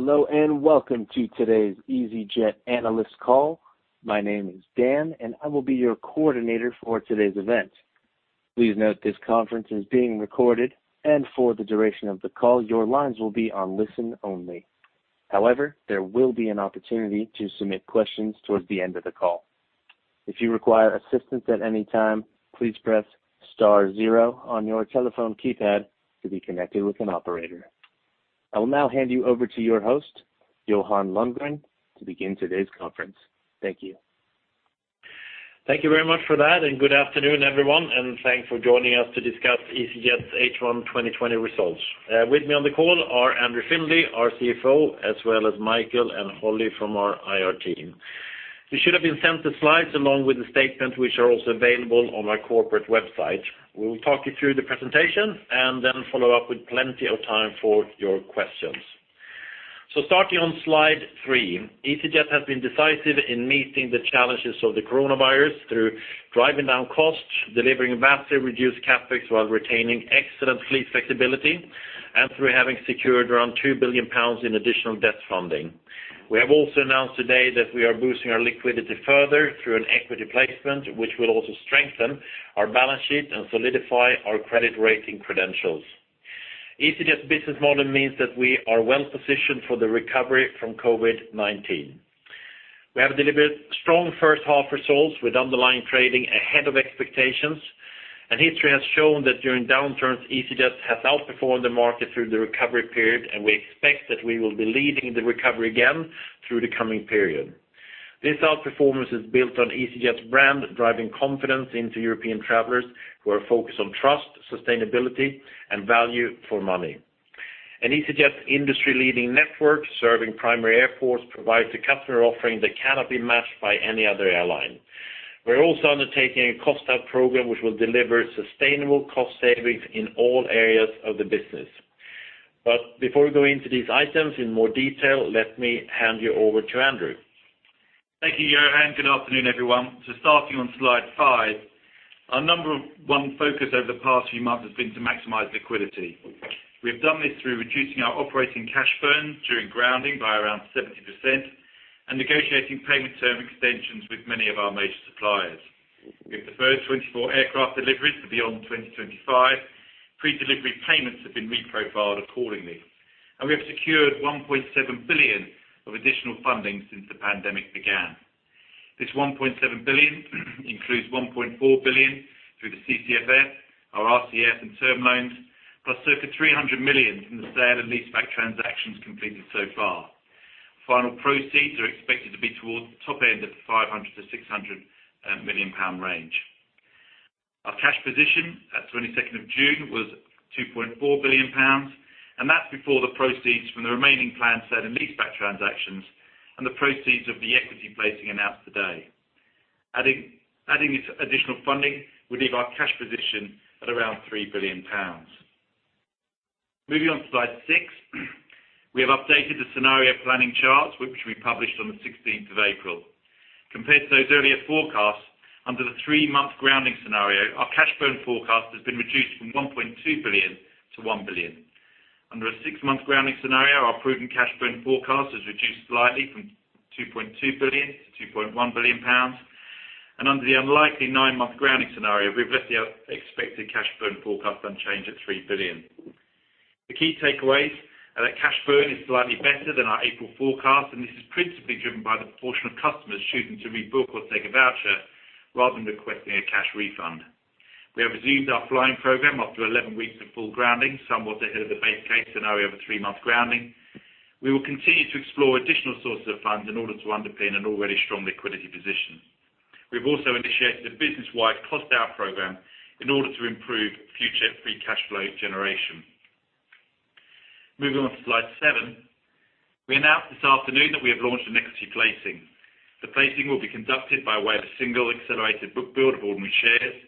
Hello, welcome to today's easyJet analyst call. My name is Dan, and I will be your coordinator for today's event. Please note this conference is being recorded, and for the duration of the call, your lines will be on listen only. However, there will be an opportunity to submit questions towards the end of the call. If you require assistance at any time, please press star zero on your telephone keypad to be connected with an operator. I will now hand you over to your host, Johan Lundgren, to begin today's conference. Thank you. Thank you very much for that. Good afternoon, everyone. Thanks for joining us to discuss easyJet's H1 2020 results. With me on the call are Andrew Findlay, our CFO, as well as Michael and Holly from our IR team. You should have been sent the slides along with the statement, which are also available on our corporate website. We will talk you through the presentation. Then follow up with plenty of time for your questions. Starting on slide three, easyJet has been decisive in meeting the challenges of the coronavirus through driving down costs, delivering vastly reduced CapEx while retaining excellent fleet flexibility, and through having secured around 2 billion pounds in additional debt funding. We have also announced today that we are boosting our liquidity further through an equity placement, which will also strengthen our balance sheet and solidify our credit rating credentials. easyJet's business model means that we are well-positioned for the recovery from COVID-19. We have delivered strong first half results with underlying trading ahead of expectations. History has shown that during downturns, easyJet has outperformed the market through the recovery period, and we expect that we will be leading the recovery again through the coming period. This outperformance is built on easyJet's brand, driving confidence into European travelers who are focused on trust, sustainability, and value for money. easyJet's industry-leading network, serving primary airports, provides a customer offering that cannot be matched by any other airline. We're also undertaking a cost-out program, which will deliver sustainable cost savings in all areas of the business. Before we go into these items in more detail, let me hand you over to Andrew. Thank you, Johan. Good afternoon, everyone. Starting on slide five, our number one focus over the past few months has been to maximize liquidity. We have done this through reducing our operating cash burn during grounding by around 70% and negotiating payment term extensions with many of our major suppliers. We have deferred 24 aircraft deliveries to beyond 2025. Pre-delivery payments have been reprofiled accordingly, and we have secured 1.7 billion of additional funding since the pandemic began. This 1.7 billion includes 1.4 billion through the CCFF, our RCFs and term loans, plus circa 300 million from the sale and leaseback transactions completed so far. Final proceeds are expected to be towards the top end of the 500 million-600 million pound range. Our cash position at 22nd of June was 2.4 billion pounds. That's before the proceeds from the remaining planned sale and leaseback transactions and the proceeds of the equity placing announced today. Adding this additional funding will leave our cash position at around 3 billion pounds. Moving on to slide six. We have updated the scenario planning charts, which we published on the 16th of April. Compared to those earlier forecasts, under the three-month grounding scenario, our cash burn forecast has been reduced from 1.2 billion to 1 billion. Under a six-month grounding scenario, our proven cash burn forecast has reduced slightly from 2.2 billion to 2.1 billion pounds. Under the unlikely nine-month grounding scenario, we've left the expected cash burn forecast unchanged at 3 billion. The key takeaways are that cash burn is slightly better than our April forecast. This is principally driven by the proportion of customers choosing to rebook or take a voucher rather than requesting a cash refund. We have resumed our flying program after 11 weeks of full grounding, somewhat ahead of the base case scenario of a three-month grounding. We will continue to explore additional sources of funds in order to underpin an already strong liquidity position. We've also initiated a business-wide cost-out program in order to improve future free cash flow generation. Moving on to slide seven. We announced this afternoon that we have launched an equity placing. The placing will be conducted by way of a single accelerated book build of ordinary shares.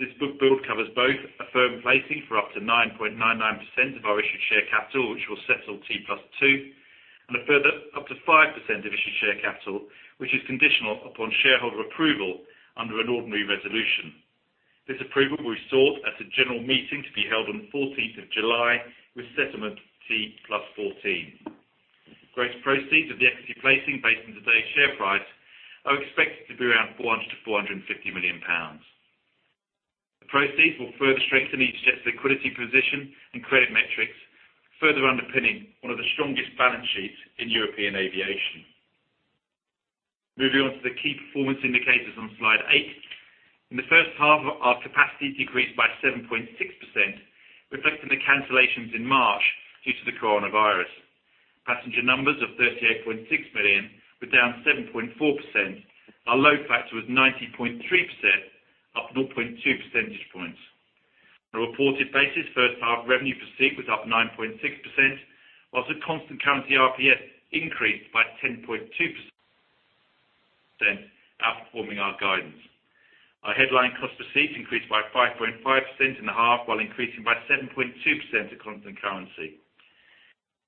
This book build covers both a firm placing for up to 9.99% of our issued share capital, which will settle T+2, and a further up to 5% of issued share capital, which is conditional upon shareholder approval under an ordinary resolution. This approval will be sought at a general meeting to be held on the 14th of July with settlement T+14. Gross proceeds of the equity placing based on today's share price are expected to be around 400 million-450 million pounds. The proceeds will further strengthen easyJet's liquidity position and credit metrics, further underpinning one of the strongest balance sheets in European aviation. Moving on to the key performance indicators on slide eight. In the first half, our capacity decreased by 7.6%, reflecting the cancellations in March due to the coronavirus. Passenger numbers of 38.6 million were down 7.4%. Our load factor was 90.3%, up 0.2 percentage points. On a reported basis, first half revenue per seat was up 9.6%, whilst the constant currency RPS increased by 10.2%, outperforming our guidance. Our headline cost per seat increased by 5.5% in the half, while increasing by 7.2% at constant currency.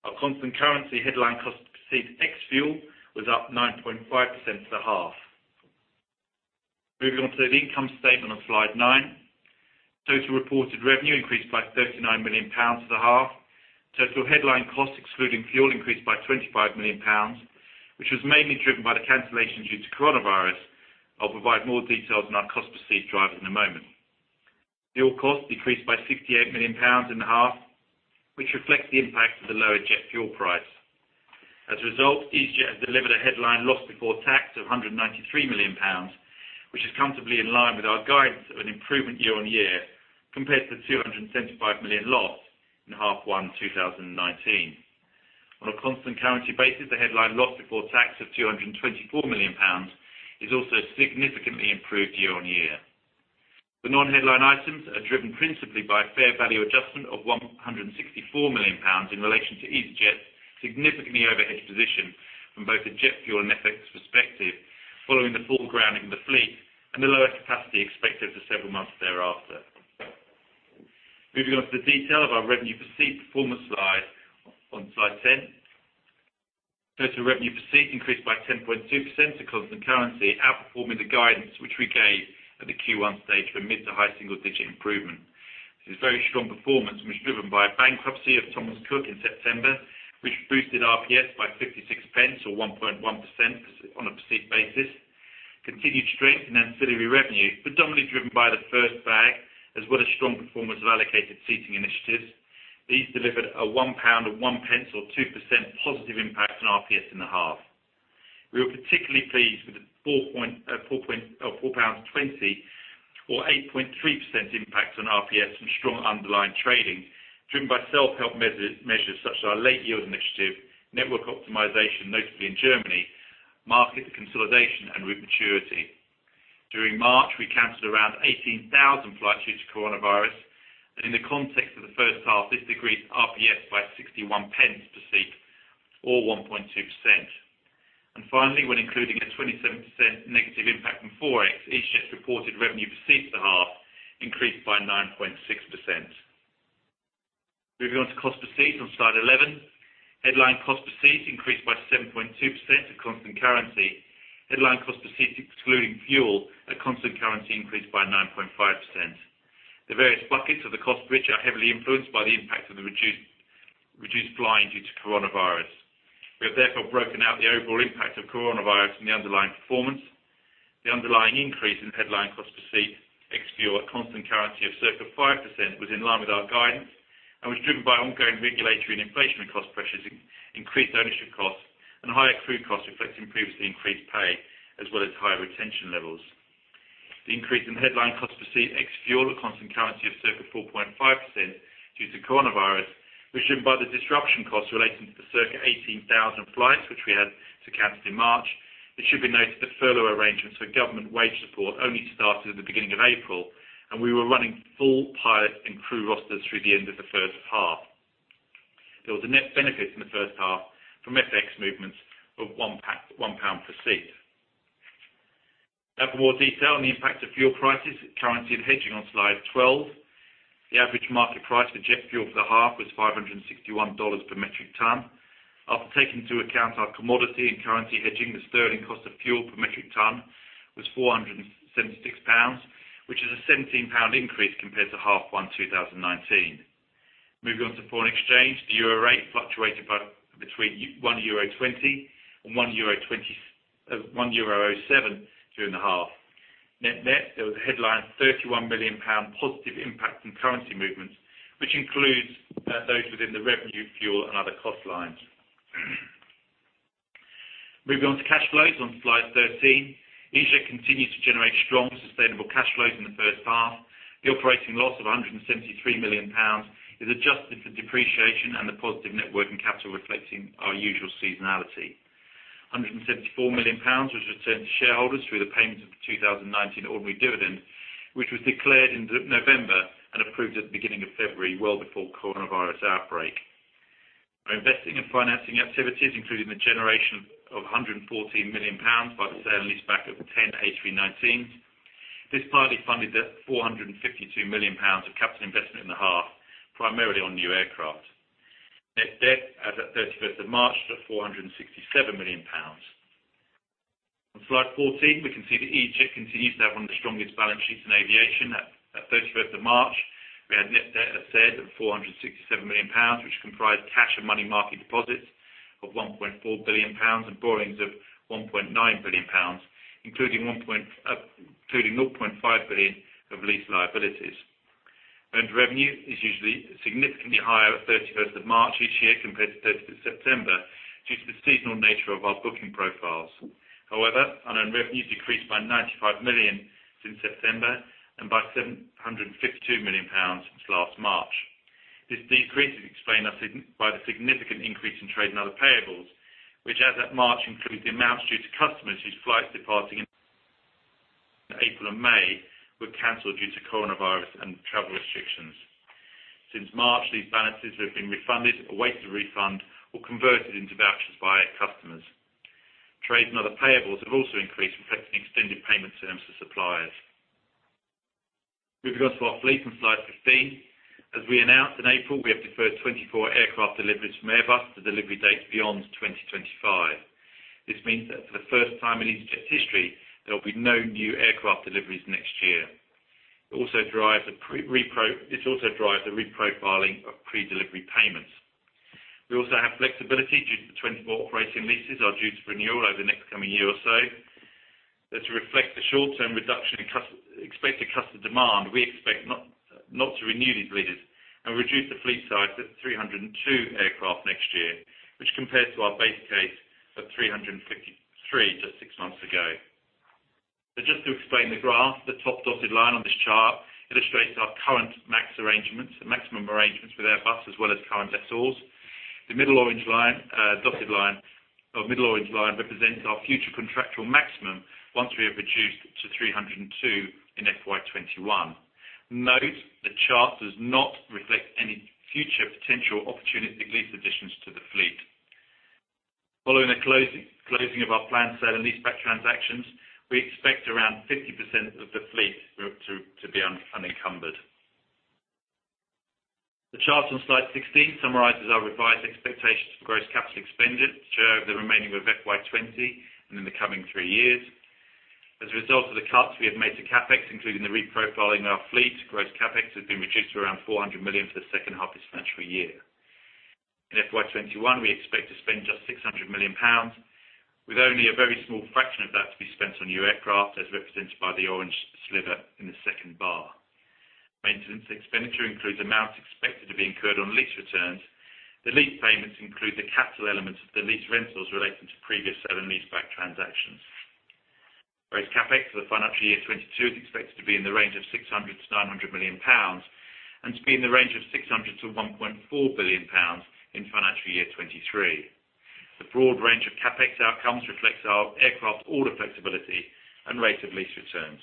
Our constant currency headline cost per seat ex fuel was up 9.5% for the half. Moving on to the income statement on slide nine. Total reported revenue increased by GBP 39 million for the half. Total headline costs, excluding fuel, increased by GBP 25 million, which was mainly driven by the cancellation due to COVID-19. I'll provide more details on our cost per seat drivers in a moment. Fuel cost decreased by 68 million pounds in the half, which reflects the impact of the lower jet fuel price. As a result, easyJet has delivered a headline loss before tax of 193 million pounds, which is comfortably in line with our guidance of an improvement year-on-year, compared to the 275 million loss in half one 2019. On a constant currency basis, the headline loss before tax of 224 million pounds is also significantly improved year-on-year. The non-headline items are driven principally by a fair value adjustment of 164 million pounds in relation to easyJet's significantly over-hedged position from both a jet fuel and FX perspective, following the full grounding of the fleet, and the lower capacity expected for several months thereafter. Moving on to the detail of our revenue per seat performance slide on slide 10. Total revenue per seat increased by 10.2% at constant currency, outperforming the guidance which we gave at the Q1 stage for mid to high single digit improvement. This very strong performance was driven by a bankruptcy of Thomas Cook in September, which boosted RPS by 0.56, or 1.1% on a per seat basis. Continued strength in ancillary revenue, predominantly driven by the first bag, as well as strong performance of allocated seating initiatives. These delivered a 1.01 pound or 2% positive impact on RPS in the half. We were particularly pleased with the 4.20 pounds or 8.3% impact on RPS from strong underlying trading, driven by self-help measures such as our late yield initiative, network optimization, notably in Germany, market consolidation, and route maturity. During March, we canceled around 18,000 flights due to coronavirus. In the context of the first half, this decreased RPS by 0.61 per seat or 1.2%. Finally, when including a 27% negative impact from ForEx, easyJet's reported revenue per seat for half increased by 9.6%. Moving on to cost per seat on slide 11. Headline cost per seat increased by 7.2% at constant currency. Headline cost per seat, excluding fuel, at constant currency increased by 9.5%. The various buckets of the cost, which are heavily influenced by the impact of the reduced flying due to coronavirus. We have therefore broken out the overall impact of coronavirus in the underlying performance. The underlying increase in headline cost per seat ex-fuel at constant currency of circa 5% was in line with our guidance and was driven by ongoing regulatory and inflation cost pressures, increased ownership costs, and higher crew costs reflecting previously increased pay, as well as higher retention levels. The increase in headline cost per seat ex-fuel at constant currency of circa 4.5% due to coronavirus was driven by the disruption costs relating to the circa 18,000 flights, which we had to cancel in March. It should be noted the furlough arrangements for government wage support only started at the beginning of April, and we were running full pilot and crew rosters through the end of the first half. There was a net benefit in the first half from FX movements of 1 pound per seat. Now for more detail on the impact of fuel prices, currency and hedging on slide 12. The average market price for jet fuel for the half was $561 per metric ton. After taking into account our commodity and currency hedging, the sterling cost of fuel per metric ton was 476 pounds, which is a 17 pound increase compared to H1 2019. Moving on to foreign exchange, the euro rate fluctuated between 1.20 euro and 1.07 euro during the half. Net net, there was a headline 31 million pound positive impact from currency movements, which includes those within the revenue, fuel, and other cost lines. Moving on to cash flows on slide 13. easyJet continues to generate strong, sustainable cash flows in the first half. The operating loss of 173 million pounds is adjusted for depreciation and the positive net working capital reflecting our usual seasonality. 174 million pounds was returned to shareholders through the payment of the 2019 ordinary dividend, which was declared in November and approved at the beginning of February, well before coronavirus outbreak. Our investing and financing activities, including the generation of GBP 114 million by the sale and leaseback of 10 A319s. This partly funded the GBP 452 million of capital investment in the half, primarily on new aircraft. Net debt as at 31st of March stood at 467 million pounds. On slide 14, we can see that easyJet continues to have one of the strongest balance sheets in aviation. At 31st of March, we had net debt, as said, of GBP 467 million, which comprised cash and money market deposits of GBP 1.4 billion and borrowings of GBP 1.9 billion, including GBP 0.5 billion of lease liabilities. Unearned revenue is usually significantly higher at 31st of March each year compared to 30st of September due to the seasonal nature of our booking profiles. Unearned revenues decreased by 95 million since September and by 752 million pounds since last March. This decrease is explained by the significant increase in trade and other payables, which as at March included the amounts due to customers whose flights departing in April and May were canceled due to coronavirus and travel restrictions. Since March, these balances have been refunded, or wait to refund or converted into vouchers by customers. Trade and other payables have also increased, reflecting extended payment terms to suppliers. Moving on to our fleet on slide 15. As we announced in April, we have deferred 24 aircraft deliveries from Airbus to delivery dates beyond 2025. This means that for the first time in easyJet's history, there will be no new aircraft deliveries next year. This also drives the reprofiling of pre-delivery payments. We also have flexibility due to the 24 operating leases are due to renewal over the next coming year or so. To reflect the short-term reduction in expected customer demand, we expect not to renew these leases and reduce the fleet size to 302 aircraft next year, which compares to our base case of 353 just six months ago. Just to explain the graph, the top dotted line on this chart illustrates our current maximum arrangements with Airbus as well as current lessors. The middle orange line represents our future contractual maximum once we have reduced to 302 in FY 2021. Note, the chart does not reflect any future potential opportunity lease additions to the fleet. Following the closing of our planned sale and leaseback transactions, we expect around 50% of the fleet to be unencumbered. The chart on slide 16 summarizes our revised expectations for gross capital expenditures over the remaining of FY 2020 and in the coming three years. As a result of the cuts we have made to CapEx, including the reprofiling of our fleet, gross CapEx has been reduced to around 400 million for the second half this financial year. In FY 2021, we expect to spend just 600 million pounds, with only a very small fraction of that to be spent on new aircraft, as represented by the orange sliver in the second bar. Maintenance expenditure includes amounts expected to be incurred on lease returns. The lease payments include the capital elements of the lease rentals relating to previous sale and leaseback transactions. Gross CapEx for FY 2022 is expected to be in the range of 600 million-900 million pounds and to be in the range of 600 million-1.4 billion pounds in financial year 2023. The broad range of CapEx outcomes reflects our aircraft order flexibility and rate of lease returns.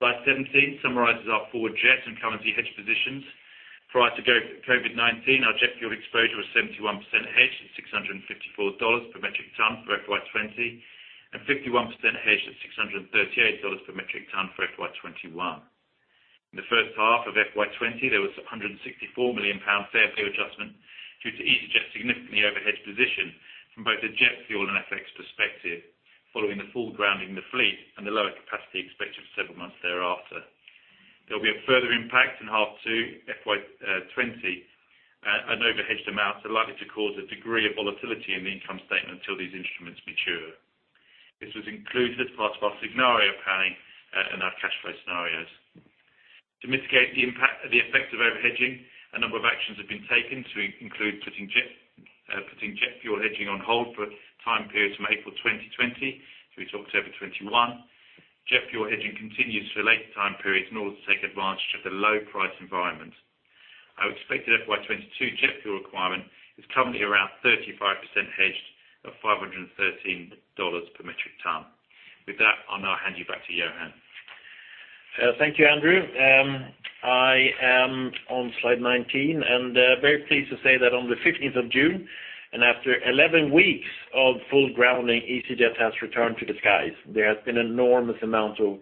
Slide 17 summarizes our forward jet and currency hedge positions. Prior to COVID-19, our jet fuel exposure was 71% hedged at $654 per metric ton for FY 2020 and 51% hedged at $638 per metric ton for FY 2021. In the first half of FY 2020, there was a 164 million pound fair value adjustment due to easyJet's significantly over-hedged position from both a jet fuel and FX perspective following the full grounding of the fleet and the lower capacity expected several months thereafter. There'll be a further impact in half two FY 2020, and over-hedged amounts are likely to cause a degree of volatility in the income statement until these instruments mature. This was included as part of our scenario planning and our cash flow scenarios. To mitigate the FX of over-hedging, a number of actions have been taken to include putting jet fuel hedging on hold for the time period from April 2020 through to October 2021. Jet fuel hedging continues for later time periods in order to take advantage of the low price environment. Our expected FY 2022 jet fuel requirement is currently around 35% hedged at $513 per metric ton. With that, I'll now hand you back to Johan. Thank you, Andrew. I am on slide 19, very pleased to say that on the 15th of June, and after 11 weeks of full grounding, easyJet has returned to the skies. There has been an enormous amount of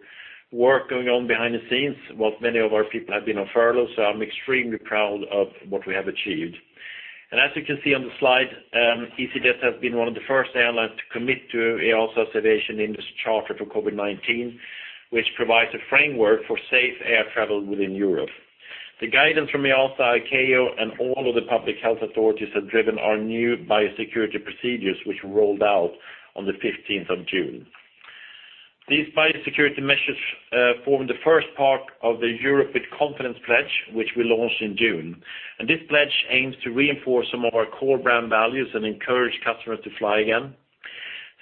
work going on behind the scenes, while many of our people have been on furlough, so I'm extremely proud of what we have achieved. As you can see on the slide, easyJet has been one of the first airlines to commit to EASA's Aviation Industry Charter for COVID-19, which provides a framework for safe air travel within Europe. The guidance from EASA, ICAO, and all of the public health authorities have driven our new biosecurity procedures, which rolled out on the 15th of June. These biosecurity measures form the first part of the Europe with Confidence pledge, which we launched in June. This pledge aims to reinforce some of our core brand values and encourage customers to fly again.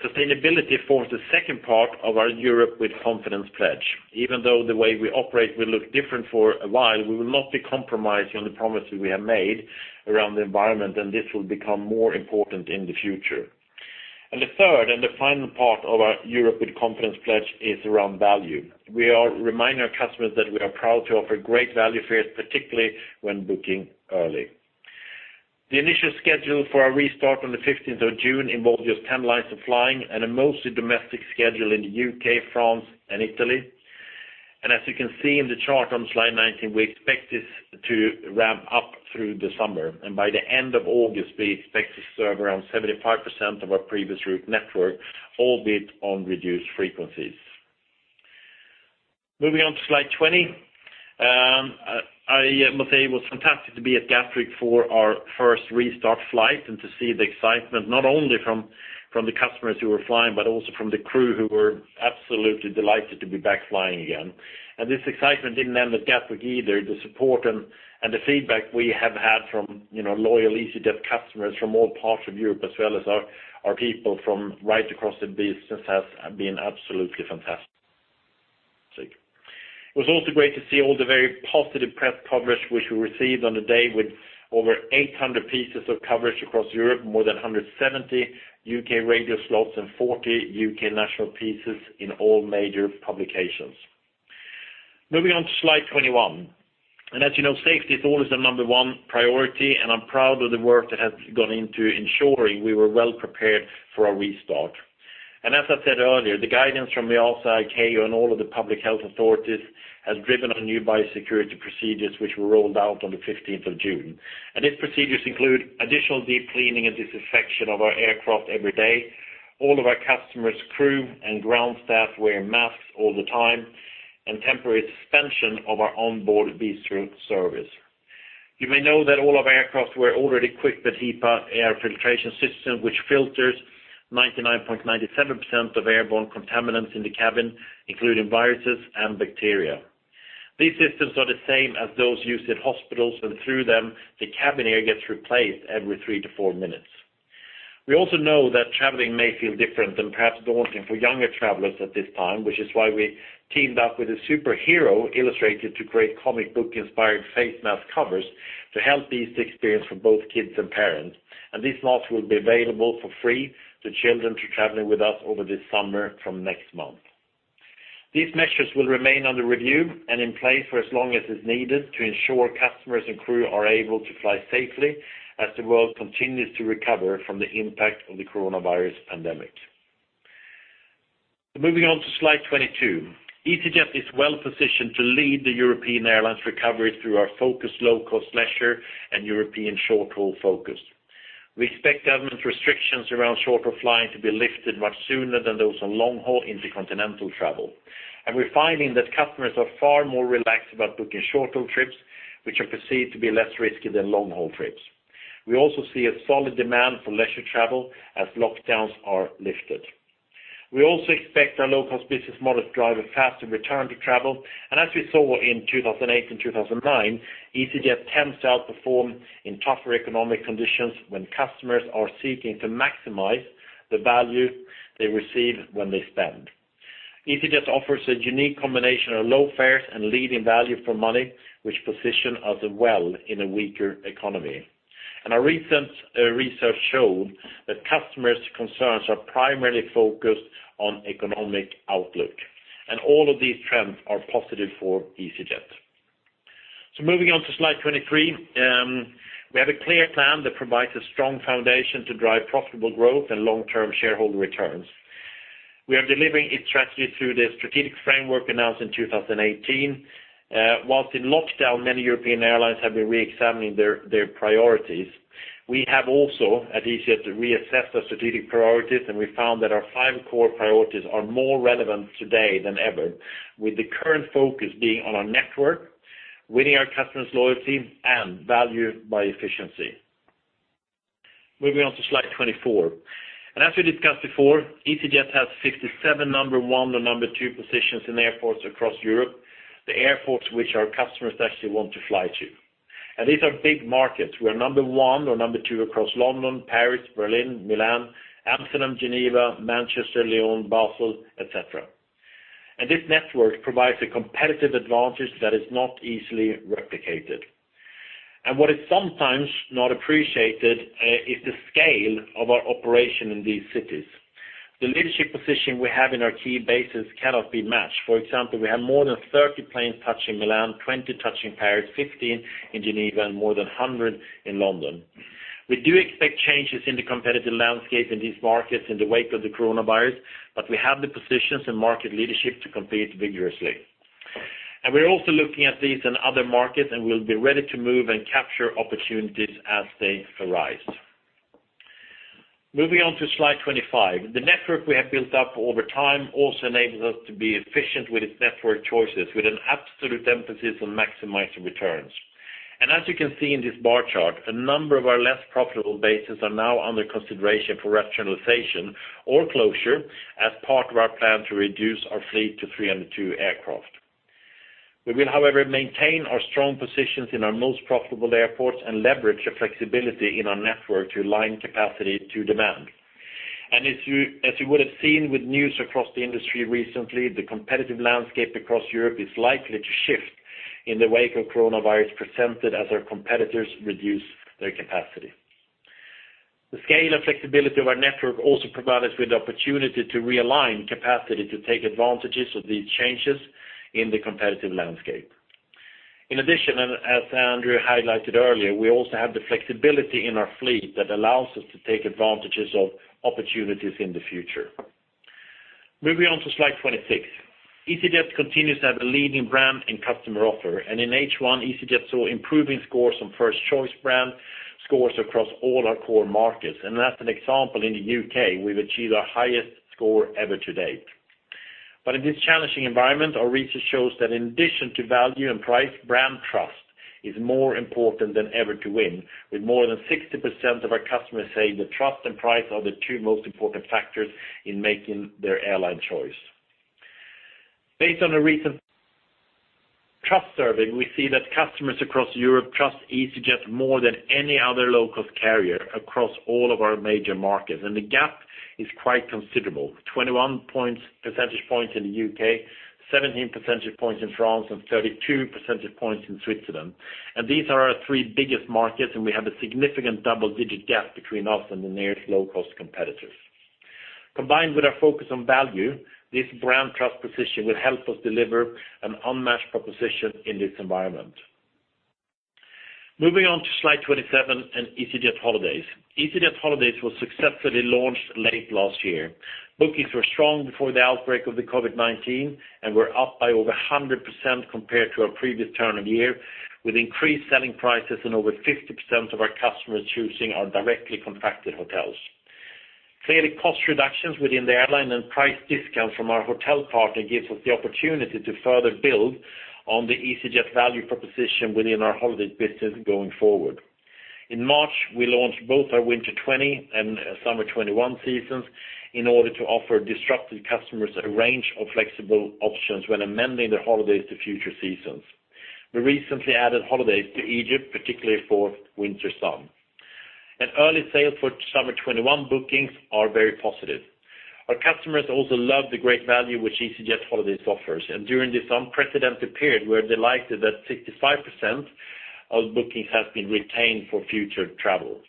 Sustainability forms the second part of our Europe with Confidence pledge. Even though the way we operate will look different for a while, we will not be compromising on the promises we have made around the environment, and this will become more important in the future. The third and the final part of our Europe with Confidence pledge is around value. We are reminding our customers that we are proud to offer great value fares, particularly when booking early. The initial schedule for our restart on the 15th of June involved just 10 lines of flying and a mostly domestic schedule in the U.K., France, and Italy. As you can see in the chart on slide 19, we expect this to ramp up through the summer. By the end of August, we expect to serve around 75% of our previous route network, albeit on reduced frequencies. Moving on to slide 20. I must say it was fantastic to be at Gatwick for our first restart flight and to see the excitement, not only from the customers who were flying, but also from the crew, who were absolutely delighted to be back flying again. This excitement didn't end at Gatwick either. The support and the feedback we have had from loyal easyJet customers from all parts of Europe as well as our people from right across the business has been absolutely fantastic. It was also great to see all the very positive press coverage which we received on the day, with over 800 pieces of coverage across Europe, more than 170 U.K. radio slots, and 40 U.K. national pieces in all major publications. Moving on to slide 21. As you know, safety is always the number one priority. I'm proud of the work that has gone into ensuring we were well prepared for our restart. As I said earlier, the guidance from the EASA, ICAO, and all of the public health authorities has driven our new biosecurity procedures which were rolled out on the 15th of June. These procedures include additional deep cleaning and disinfection of our aircraft every day, all of our customers, crew, and ground staff wear masks all the time, and temporary suspension of our onboard bistro service. You may know that all of our aircraft were already equipped with HEPA air filtration system, which filters 99.97% of airborne contaminants in the cabin, including viruses and bacteria. These systems are the same as those used in hospitals, and through them, the cabin air gets replaced every three to four minutes. We also know that traveling may feel different and perhaps daunting for younger travelers at this time, which is why we teamed up with a superhero illustrator to create comic book-inspired face mask covers to help ease the experience for both kids and parents. These masks will be available for free to children who are traveling with us over this summer from next month. These measures will remain under review and in place for as long as is needed to ensure customers and crew are able to fly safely as the world continues to recover from the impact of the coronavirus pandemic. Moving on to slide 22. easyJet is well-positioned to lead the European airlines recovery through our focused low-cost leisure and European short-haul focus. We expect government restrictions around short-haul flying to be lifted much sooner than those on long-haul intercontinental travel. We're finding that customers are far more relaxed about booking short-haul trips, which are perceived to be less risky than long-haul trips. We also see a solid demand for leisure travel as lockdowns are lifted. We also expect our low-cost business model to drive a faster return to travel. As we saw in 2008 and 2009, easyJet tends to outperform in tougher economic conditions when customers are seeking to maximize the value they receive when they spend. easyJet offers a unique combination of low fares and leading value for money, which position us well in a weaker economy. Our recent research showed that customers' concerns are primarily focused on economic outlook. All of these trends are positive for easyJet. Moving on to slide 23. We have a clear plan that provides a strong foundation to drive profitable growth and long-term shareholder returns. We are delivering it strategically through the strategic framework announced in 2018. Whilst in lockdown, many European airlines have been re-examining their priorities. We have also, at easyJet, reassessed our strategic priorities, and we found that our five core priorities are more relevant today than ever, with the current focus being on our network, winning our customers' loyalty, and value by efficiency. Moving on to slide 24. As we discussed before, easyJet has 67 number one and number two positions in airports across Europe, the airports which our customers actually want to fly to. These are big markets. We're number one or number two across London, Paris, Berlin, Milan, Amsterdam, Geneva, Manchester, Lyon, Basel, et cetera. This network provides a competitive advantage that is not easily replicated. What is sometimes not appreciated is the scale of our operation in these cities. The leadership position we have in our key bases cannot be matched. For example, we have more than 30 planes touching Milan, 20 touching Paris, 15 in Geneva, and more than 100 in London. We do expect changes in the competitive landscape in these markets in the wake of the coronavirus, but we have the positions and market leadership to compete vigorously. We're also looking at these and other markets, and we'll be ready to move and capture opportunities as they arise. Moving on to slide 25. The network we have built up over time also enables us to be efficient with its network choices with an absolute emphasis on maximizing returns. As you can see in this bar chart, a number of our less profitable bases are now under consideration for rationalization or closure as part of our plan to reduce our fleet to 302 aircraft. We will, however, maintain our strong positions in our most profitable airports and leverage the flexibility in our network to align capacity to demand. As you would have seen with news across the industry recently, the competitive landscape across Europe is likely to shift in the wake of COVID-19 presented as our competitors reduce their capacity. The scale and flexibility of our network also provide us with the opportunity to realign capacity to take advantages of these changes in the competitive landscape. In addition, as Andrew highlighted earlier, we also have the flexibility in our fleet that allows us to take advantages of opportunities in the future. Moving on to slide 26. easyJet continues to have a leading brand and customer offer. In H1, easyJet saw improving scores on first choice brand scores across all our core markets. As an example, in the U.K., we've achieved our highest score ever to date. In this challenging environment, our research shows that in addition to value and price, brand trust is more important than ever to win, with more than 60% of our customers saying that trust and price are the two most important factors in making their airline choice. Based on a recent trust survey, we see that customers across Europe trust easyJet more than any other low-cost carrier across all of our major markets, and the gap is quite considerable, 21 percentage points in the U.K., 17 percentage points in France, and 32 percentage points in Switzerland. These are our three biggest markets, and we have a significant double-digit gap between us and the nearest low-cost competitors. Combined with our focus on value, this brand trust position will help us deliver an unmatched proposition in this environment. Moving on to slide 27 and easyJet holidays. easyJet holidays was successfully launched late last year. Bookings were strong before the outbreak of the COVID-19, and were up by over 100% compared to our previous turn of year, with increased selling prices and over 50% of our customers choosing our directly contracted hotels. Clearly, cost reductions within the airline and price discounts from our hotel partner gives us the opportunity to further build on the easyJet value proposition within our holidays business going forward. In March, we launched both our winter 2020 and summer 2021 seasons in order to offer disrupted customers a range of flexible options when amending their easyJet holidays to future seasons. We recently added holidays to Egypt, particularly for winter sun. Early sales for summer 2021 bookings are very positive. Our customers also love the great value which easyJet holidays offers. During this unprecedented period, we're delighted that 65% of bookings have been retained for future travel.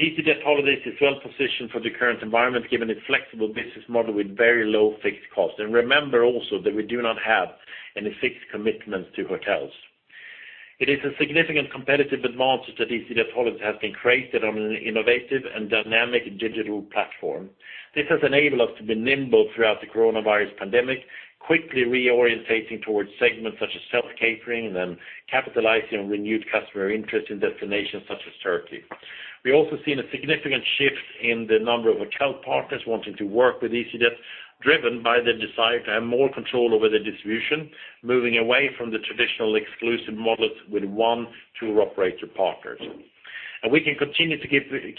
easyJet holidays is well-positioned for the current environment given its flexible business model with very low fixed costs. Remember also that we do not have any fixed commitments to hotels. It is a significant competitive advantage that easyJet holidays has been created on an innovative and dynamic digital platform. This has enabled us to be nimble throughout the coronavirus pandemic, quickly reorientating towards segments such as self-catering and capitalizing on renewed customer interest in destinations such as Turkey. We also seen a significant shift in the number of hotel partners wanting to work with easyJet, driven by the desire to have more control over the distribution, moving away from the traditional exclusive models with one tour operator partner. We can continue to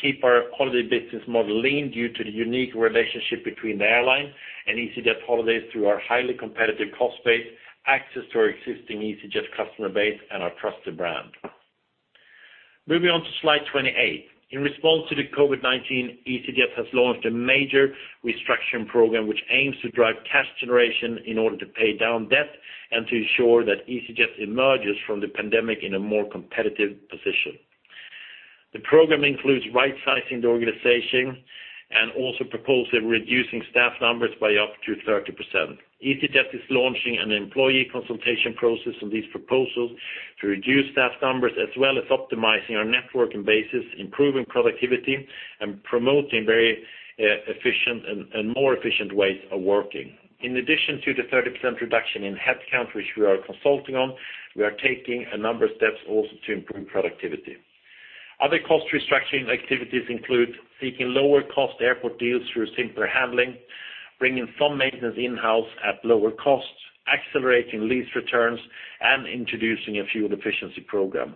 keep our holiday business model lean due to the unique relationship between the airline and easyJet holidays through our highly competitive cost base, access to our existing easyJet customer base, and our trusted brand. Moving on to slide 28. In response to the COVID-19, easyJet has launched a major restructuring program which aims to drive cash generation in order to pay down debt and to ensure that easyJet emerges from the pandemic in a more competitive position. The program includes right-sizing the organization and also proposing reducing staff numbers by up to 30%. easyJet is launching an employee consultation process on these proposals to reduce staff numbers, as well as optimizing our network and bases, improving productivity, and promoting very efficient and more efficient ways of working. In addition to the 30% reduction in headcount, which we are consulting on, we are taking a number of steps also to improve productivity. Other cost restructuring activities include seeking lower cost airport deals through simpler handling, bringing some maintenance in-house at lower costs, accelerating lease returns, and introducing a fuel efficiency program.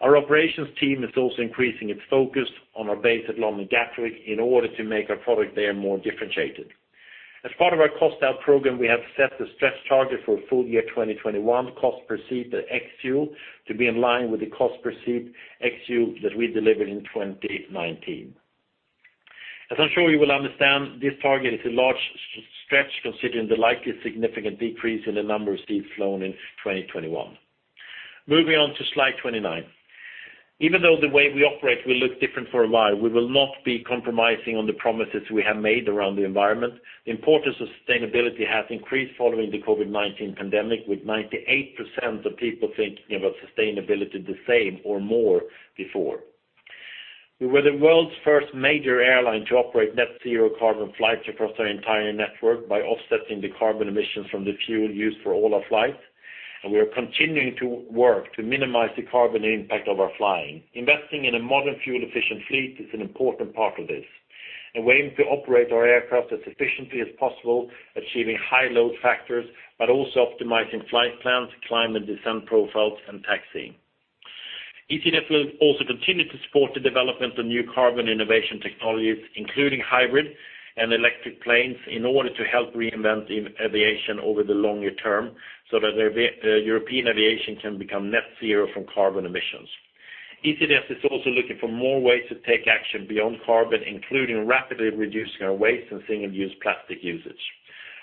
Our operations team is also increasing its focus on our base at London Gatwick in order to make our product there more differentiated. As part of our cost out program, we have set the stretch target for full year 2021 cost per seat ex fuel to be in line with the cost per seat ex fuel that we delivered in 2019. As I'm sure you will understand, this target is a large stretch considering the likely significant decrease in the number of seats flown in 2021. Moving on to slide 29. Even though the way we operate will look different for a while, we will not be compromising on the promises we have made around the environment. The importance of sustainability has increased following the COVID-19 pandemic, with 98% of people thinking about sustainability the same or more before. We were the world's first major airline to operate net-zero carbon flights across our entire network by offsetting the carbon emissions from the fuel used for all our flights. We are continuing to work to minimize the carbon impact of our flying. Investing in a modern fuel efficient fleet is an important part of this. We aim to operate our aircraft as efficiently as possible, achieving high load factors, but also optimizing flight plans, climb and descent profiles, and taxiing. easyJet will also continue to support the development of new carbon innovation technologies, including hybrid and electric planes, in order to help reinvent aviation over the longer term, so that European aviation can become net-zero from carbon emissions. easyJet is also looking for more ways to take action beyond carbon, including rapidly reducing our waste and single-use plastic usage.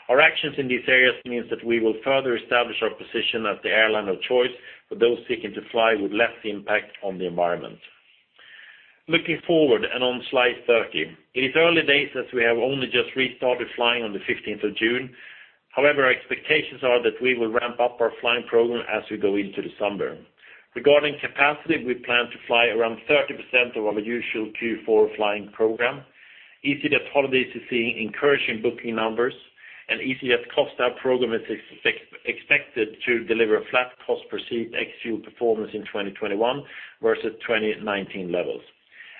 Our actions in these areas means that we will further establish our position as the airline of choice for those seeking to fly with less impact on the environment. Looking forward and on slide 30. It is early days as we have only just restarted flying on the 15th of June. However, our expectations are that we will ramp up our flying program as we go into the summer. Regarding capacity, we plan to fly around 30% of our usual Q4 flying program. easyJet holidays is seeing encouraging booking numbers, and easyJet cost per seat ex fuel program is expected to deliver a flat cost per seat ex fuel performance in 2021 versus 2019 levels.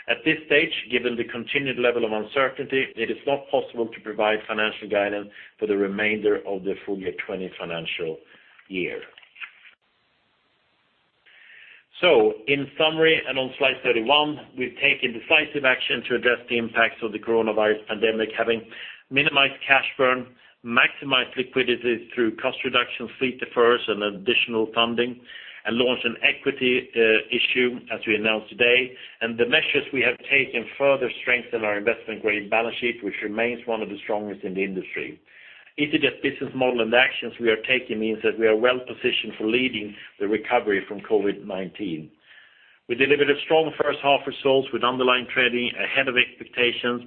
At this stage, given the continued level of uncertainty, it is not possible to provide financial guidance for the remainder of the full year 2020 financial year. In summary, and on slide 31, we've taken decisive action to address the impacts of the COVID-19 pandemic, having minimized cash burn, maximized liquidity through cost reduction, fleet defers, and additional funding, and launched an equity issue as we announced today. The measures we have taken further strengthen our investment grade balance sheet, which remains one of the strongest in the industry. easyJet business model and the actions we are taking means that we are well-positioned for leading the recovery from COVID-19. We delivered a strong first half results with underlying trading ahead of expectations.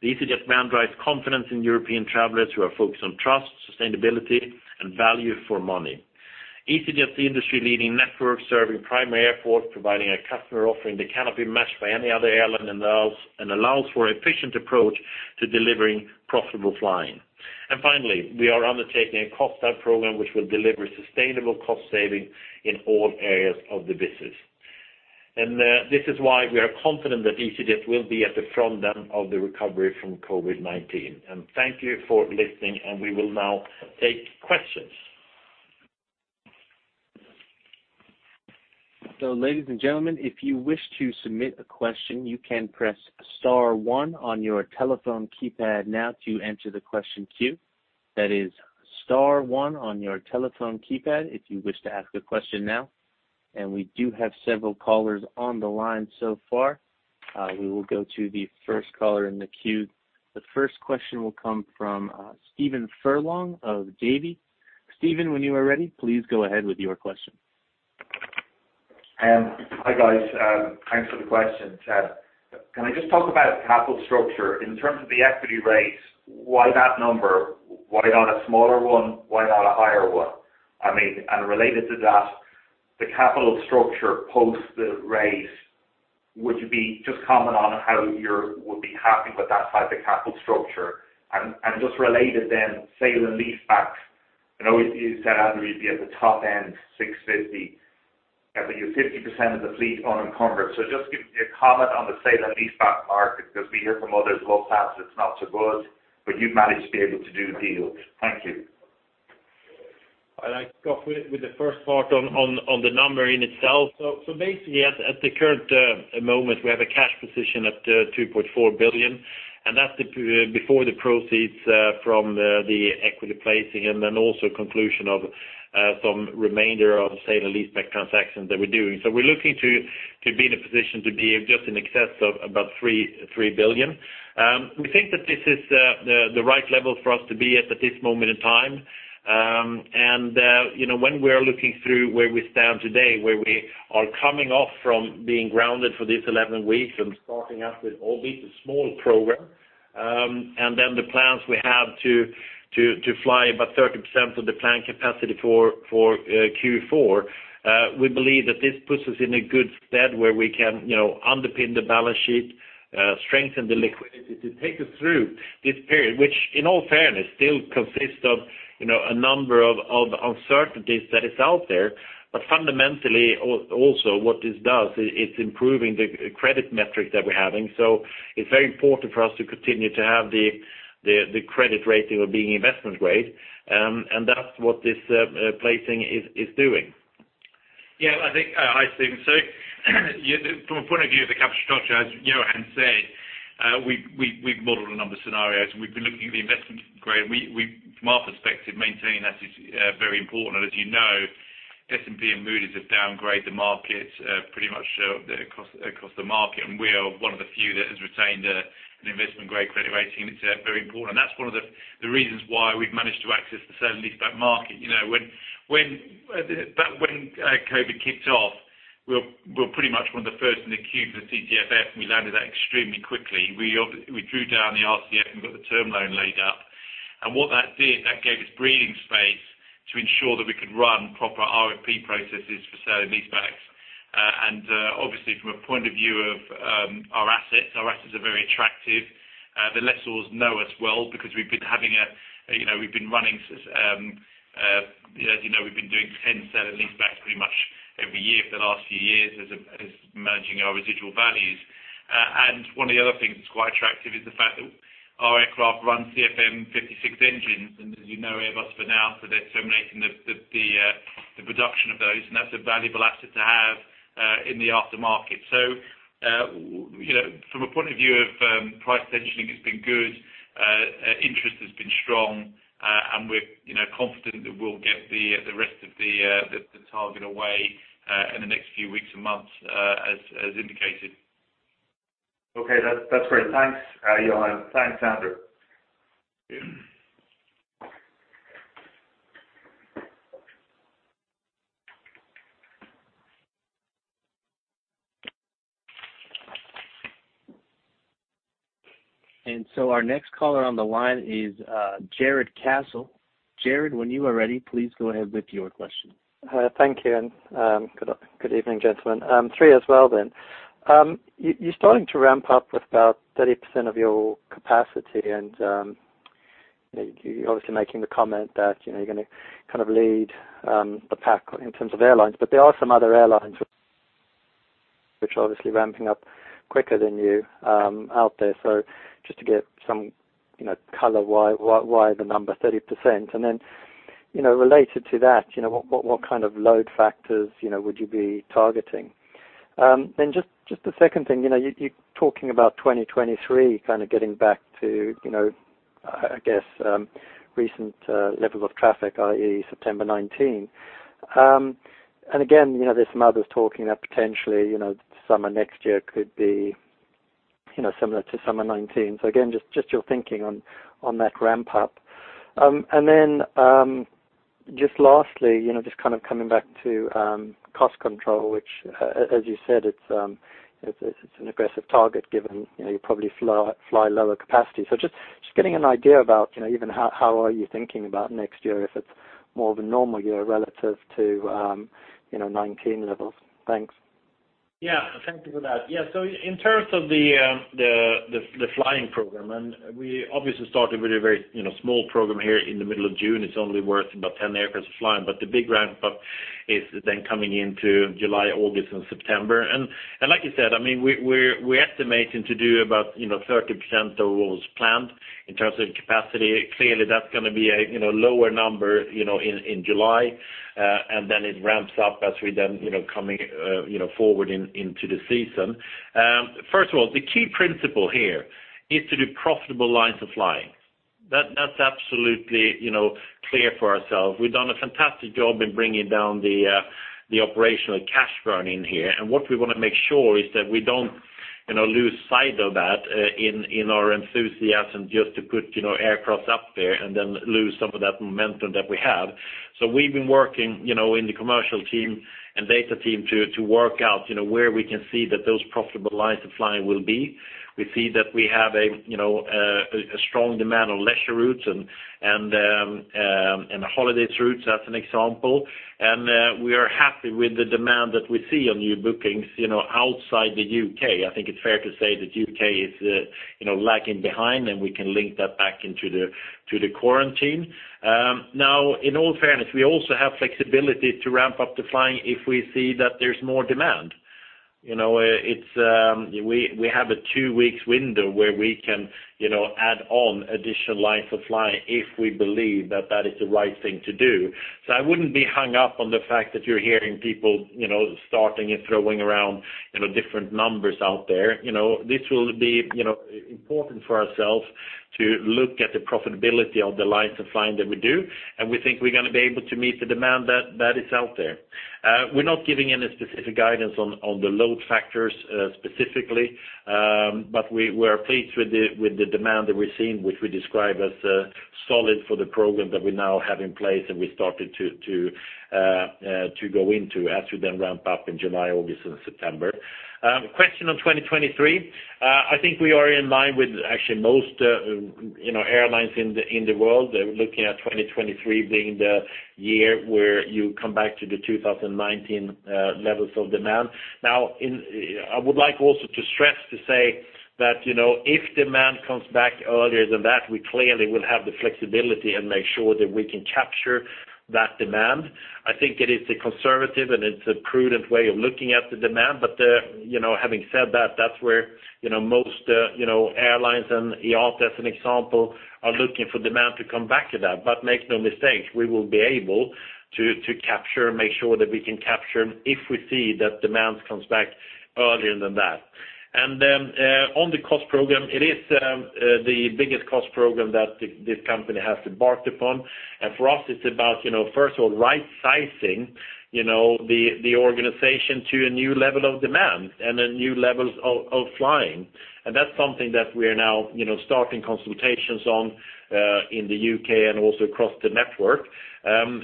The easyJet brand drives confidence in European travelers who are focused on trust, sustainability, and value for money. easyJet is the industry-leading network serving primary airports, providing a customer offering that cannot be matched by any other airline and allows for efficient approach to delivering profitable flying. Finally, we are undertaking a cost out program which will deliver sustainable cost savings in all areas of the business. This is why we are confident that easyJet will be at the front end of the recovery from COVID-19. Thank you for listening, and we will now take questions. Ladies and gentlemen, if you wish to submit a question, you can press star one on your telephone keypad now to enter the question queue. That is star one on your telephone keypad, if you wish to ask a question now. We do have several callers on the line so far. We will go to the first caller in the queue. The first question will come from Stephen Furlong of Davy. Stephen, when you are ready, please go ahead with your question. Hi, guys. Thanks for the question. Can I just talk about capital structure in terms of the equity raise, why that number? Why not a smaller one? Why not a higher one? Related to that, the capital structure post the raise. Would you just comment on how you would be happy with that type of capital structure? Just related then, sale and leaseback. I know you said, Andrew, you'd be at the top end 650, but you're 50% of the fleet unencumbered. Just give me a comment on the sale and leaseback market, because we hear from others low cost it's not so good, but you've managed to be able to do deals. Thank you. I'll go with the first part on the number in itself. Basically at the current moment, we have a cash position of 2.4 billion, and that's before the proceeds from the equity placing and also conclusion of some remainder of sale and leaseback transactions that we're doing. We're looking to be in a position to be just in excess of about 3 billion. We think that this is the right level for us to be at this moment in time. When we're looking through where we stand today, where we are coming off from being grounded for these 11 weeks and starting up with albeit a small program, then the plans we have to fly about 30% of the planned capacity for Q4, we believe that this puts us in a good stead where we can underpin the balance sheet, strengthen the liquidity to take us through this period. Which in all fairness, still consists of a number of uncertainties that is out there. Fundamentally, also what this does, it's improving the credit metrics that we're having. It's very important for us to continue to have the credit rating of being investment grade. That's what this placing is doing. Yeah. I think from a point of view of the capital structure, as Johan said, we've modeled a number of scenarios, and we've been looking at the investment grade. From our perspective, maintaining that is very important. As you know, S&P and Moody's have downgraded pretty much across the market, and we are one of the few that has retained an investment-grade credit rating. It's very important. That's one of the reasons why we've managed to access the sale and leaseback market. When COVID kicked off, we were pretty much one of the first in the queue for CCFF, and we landed that extremely quickly. We drew down the RCF and got the term loan laid up. What that did, that gave us breathing space to ensure that we could run proper RFP processes for sale and leasebacks. Obviously, from a point of view of our assets, our assets are very attractive. The lessors know us well because we've been doing 10 sale and leasebacks pretty much every year for the last few years as managing our residual values. One of the other things that's quite attractive is the fact that our aircraft run CFM56 engines, as you know, Airbus for now, they're terminating the production of those, and that's a valuable asset to have in the aftermarket. From a point of view of price positioning has been good, interest has been strong, and we're confident that we'll get the rest of the target away, in the next few weeks and months, as indicated. Okay. That's great. Thanks, Johan. Thanks, Andrew. Our next caller on the line is Jarrod Castle. Jarrod, when you are ready, please go ahead with your question. Thank you, and good evening, gentlemen. Three as well then. You're starting to ramp up with about 30% of your capacity, and you're obviously making the comment that you're going to kind of lead the pack in terms of airlines. There are some other airlines which are obviously ramping up quicker than you out there. Just to get some color, why the number 30%? Related to that, what kind of load factors would you be targeting? Just the second thing, you're talking about 2023, kind of getting back to recent levels of traffic, i.e., September 2019. Again, there's some others talking that potentially summer next year could be similar to summer 2019. Again, just your thinking on that ramp-up. Just lastly, just coming back to cost control, which, as you said, it's an aggressive target given you'll probably fly lower capacity. Just getting an idea about even how are you thinking about next year, if it's more of a normal year relative to 2019 levels. Thanks. Yeah. Thank you for that. In terms of the flying program, we obviously started with a very small program here in the middle of June. It's only worth about 10 aircraft flying, the big ramp-up is then coming into July, August and September. Like you said, we're estimating to do about 30% of what was planned in terms of capacity. Clearly, that's going to be a lower number in July, and then it ramps up as we then coming forward into the season. First of all, the key principle here is to do profitable lines of flying. That's absolutely clear for ourselves. We've done a fantastic job in bringing down the operational cash burn in here. What we want to make sure is that we don't lose sight of that in our enthusiasm just to put aircraft up there and then lose some of that momentum that we have. We've been working in the commercial team and data team to work out where we can see that those profitable lines of flying will be. We see that we have a strong demand on leisure routes and the Holidays routes, as an example. We are happy with the demand that we see on new bookings outside the U.K. I think it's fair to say that U.K. is lagging behind, and we can link that back into the quarantine. Now, in all fairness, we also have flexibility to ramp up the flying if we see that there's more demand. We have a two weeks window where we can add on additional lines of flying if we believe that that is the right thing to do. I wouldn't be hung up on the fact that you're hearing people starting and throwing around different numbers out there. This will be important for ourselves to look at the profitability of the lines of flying that we do, and we think we're going to be able to meet the demand that is out there. We're not giving any specific guidance on the load factors specifically. We are pleased with the demand that we're seeing, which we describe as solid for the program that we now have in place and we started to go into as we then ramp up in July, August and September. Question on 2023. I think we are in line with actually most airlines in the world. They're looking at 2023 being the year where you come back to the 2019 levels of demand. Now, I would like also to stress to say that if demand comes back earlier than that, we clearly will have the flexibility and make sure that we can capture that demand. I think it is a conservative and it's a prudent way of looking at the demand. Having said that's where most airlines and IATA, as an example, are looking for demand to come back to that. Make no mistake, we will be able to capture and make sure that we can capture if we see that demand comes back earlier than that. On the cost program, it is the biggest cost program that this company has embarked upon. For us, it's about, first of all, right-sizing the organization to a new level of demand and a new level of flying. That's something that we are now starting consultations on in the U.K. and also across the network.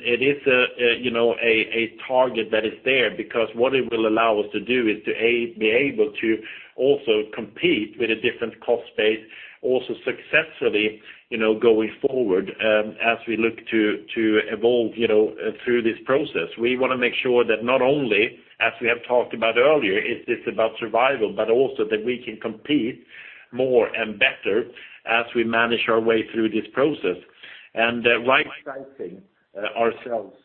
It is a target that is there because what it will allow us to do is to, A, be able to also compete with a different cost base also successfully going forward as we look to evolve through this process. We want to make sure that not only, as we have talked about earlier, it's about survival, but also that we can compete more and better as we manage our way through this process. Right-sizing ourselves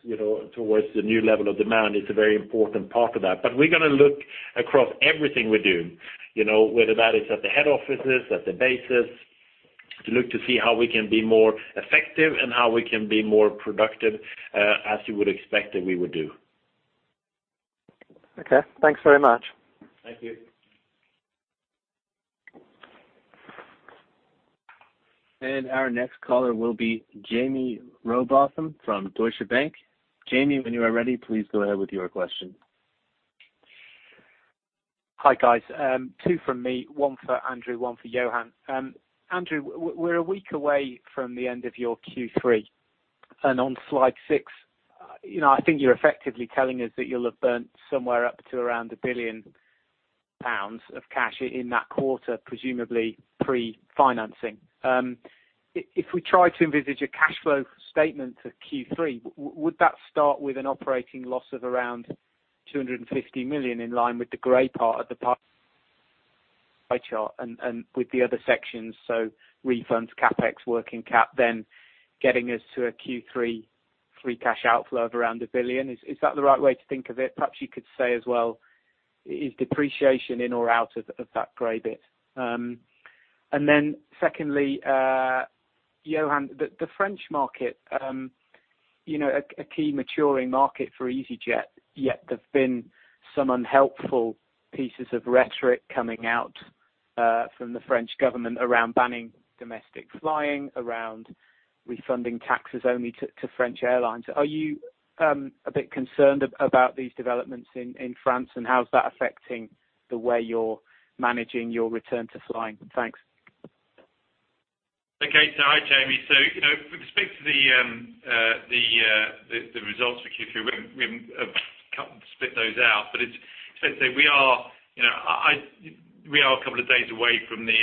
towards the new level of demand is a very important part of that. We're going to look across everything we do, whether that is at the head offices, at the bases, to look to see how we can be more effective and how we can be more productive as you would expect that we would do. Okay. Thanks very much. Thank you. Our next caller will be Jaime Rowbotham from Deutsche Bank. Jaime, when you are ready, please go ahead with your question. Hi, guys. Two from me, one for Andrew, one for Johan. Andrew, we're a week away from the end of your Q3. On slide six, I think you're effectively telling us that you'll have burnt somewhere up to around 1 billion pounds of cash in that quarter, presumably pre-financing. If we try to envisage a cash flow statement to Q3, would that start with an operating loss of around 250 million in line with the gray part of the pie chart and with the other sections, so refunds, CapEx, working cap, then getting us to a Q3 free cash outflow of around 1 billion? Is that the right way to think of it? Perhaps you could say as well, is depreciation in or out of that gray bit? Secondly, Johan, the French market, a key maturing market for easyJet, yet there's been some unhelpful pieces of rhetoric coming out from the French government around banning domestic flying, around refunding taxes only to French airlines. Are you a bit concerned about these developments in France, and how is that affecting the way you're managing your return to flying? Thanks. Hi, Jaime. We can speak to the results for Q3. We can split those out. It's fair to say we are a couple of days away from the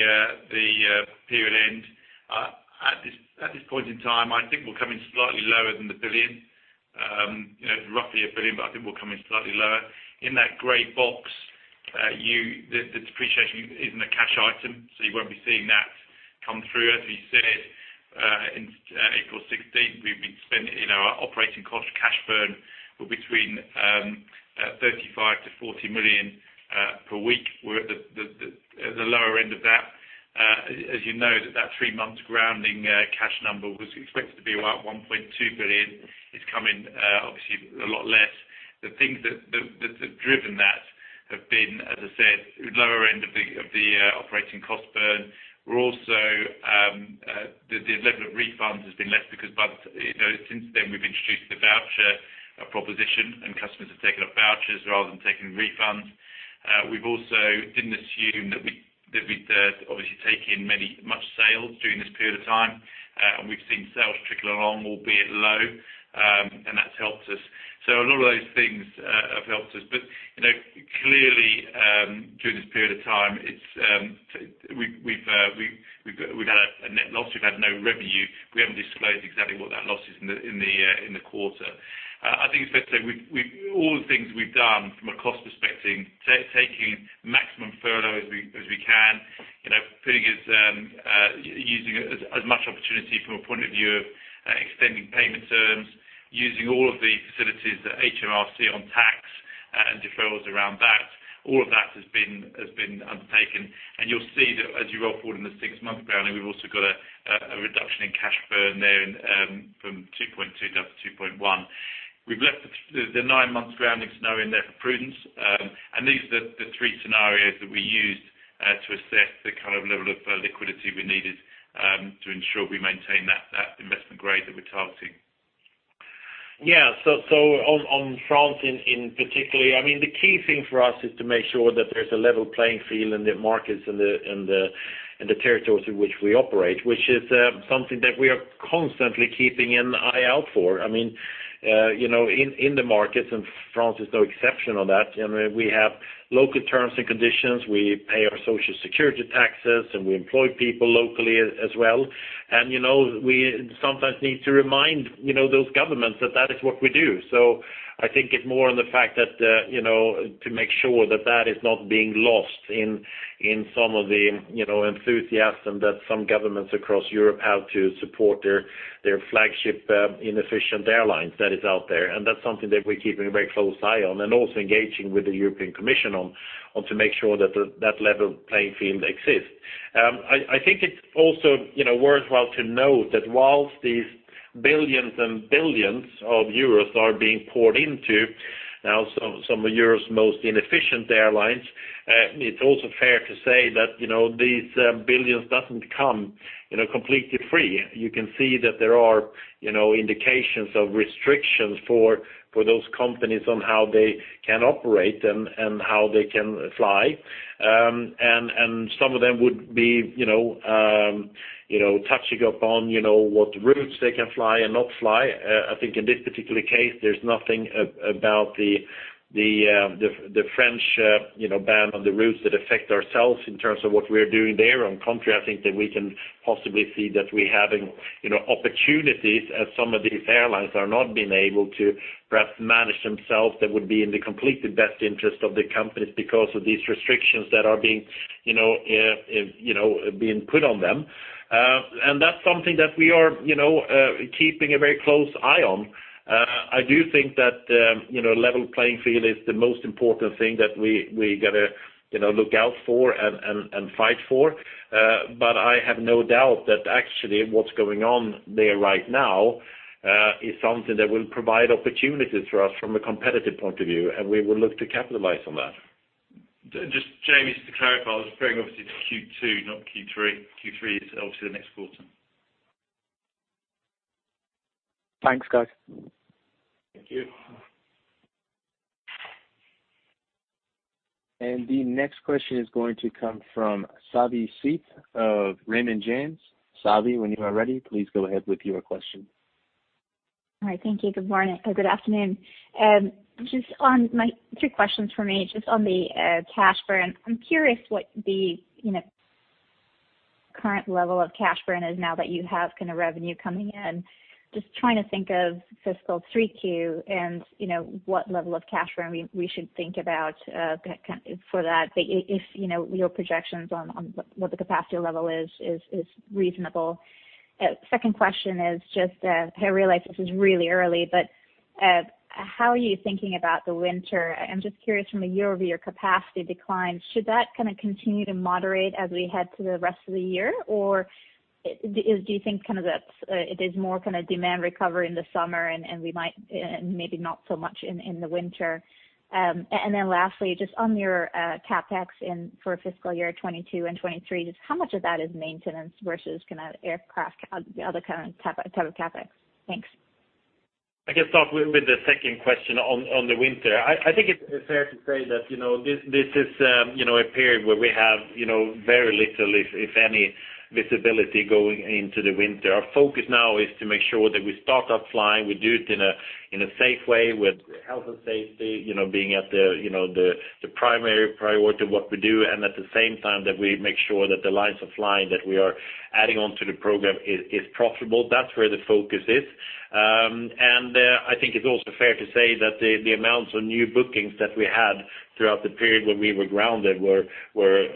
period end. At this point in time, I think we'll come in slightly lower than the 1 billion. Roughly 1 billion. I think we'll come in slightly lower. In that gray box, the depreciation isn't a cash item. You won't be seeing that come through. As we said, in April 16, we've been spending our operating cost of cash burn were between 35 million-40 million per week. We're at the lower end of that. As you know, that three-month grounding cash number was expected to be around 1.2 billion. It's come in, obviously, a lot less. The things that have driven that have been, as I said, lower end of the operating cost burn. The level of refunds has been less because since then we've introduced the voucher proposition and customers have taken up vouchers rather than taking refunds. We also didn't assume that we'd obviously take in much sales during this period of time. We've seen sales trickle along, albeit low, and that's helped us. A lot of those things have helped us. Clearly, during this period of time, we've had a net loss. We've had no revenue. We haven't disclosed exactly what that loss is in the quarter. I think it's fair to say all the things we've done from a cost perspective, taking maximum furlough as we can, using as much opportunity from a point of view of extending payment terms, using all of the facilities that HMRC on tax and deferrals around that, all of that has been undertaken. You'll see that as you roll forward in the six-month grounding, we've also got a reduction in cash burn there from 2.2 down to 2.1. We've left the nine-month grounding scenario in there for prudence. These are the three scenarios that we used to assess the level of liquidity we needed to ensure we maintain that investment grade that we're targeting. On France in particular, the key thing for us is to make sure that there's a level playing field in the markets and the territories in which we operate, which is something that we are constantly keeping an eye out for. In the markets, France is no exception on that, we have local terms and conditions. We pay our Social Security taxes, and we employ people locally as well. We sometimes need to remind those governments that that is what we do. I think it's more on the fact that to make sure that that is not being lost in some of the enthusiasm that some governments across Europe have to support their flagship inefficient airlines that is out there. That's something that we're keeping a very close eye on and also engaging with the European Commission on, to make sure that that level playing field exists. It's also worthwhile to note that whilst these billions and billions of euros are being poured into now some of Europe's most inefficient airlines, it's also fair to say that these billions doesn't come completely free. You can see that there are indications of restrictions for those companies on how they can operate and how they can fly. Some of them would be touching upon what routes they can fly and not fly. In this particular case, there's nothing about the French ban on the routes that affect ourselves in terms of what we're doing there. On contrary, I think that we can possibly see that we're having opportunities as some of these airlines are not being able to perhaps manage themselves. That would be in the complete and best interest of the companies because of these restrictions that are being put on them. That's something that we are keeping a very close eye on. I do think that a level playing field is the most important thing that we got to look out for and fight for. I have no doubt that actually what's going on there right now is something that will provide opportunities for us from a competitive point of view, and we will look to capitalize on that. Just Jaime, to clarify, I was referring obviously to Q2, not Q3. Q3 is obviously the next quarter. Thanks, guys. Thank you. The next question is going to come from Savi Syth of Raymond James. Savi, when you are ready, please go ahead with your question. All right. Thank you. Good morning or good afternoon. Just on my two questions for me, just on the cash burn, I'm curious what the current level of cash burn is now that you have revenue coming in. Just trying to think of fiscal 3Q and what level of cash burn we should think about for that, if your projections on what the capacity level is reasonable. Second question is just, I realize this is really early, but how are you thinking about the winter? I'm just curious from a year-over-year capacity decline, should that continue to moderate as we head to the rest of the year? Do you think that it is more demand recovery in the summer and maybe not so much in the winter? Lastly, just on your CapEx for fiscal year 2022 and 2023, just how much of that is maintenance versus aircraft, the other kind of type of CapEx? Thanks. I can start with the second question on the winter. I think it's fair to say that this is a period where we have very little, if any, visibility going into the winter. Our focus now is to make sure that we start up flying, we do it in a safe way with health and safety being the primary priority of what we do, and at the same time that we make sure that the lines of flying that we are adding on to the program is profitable. That's where the focus is. I think it's also fair to say that the amounts of new bookings that we had throughout the period when we were grounded were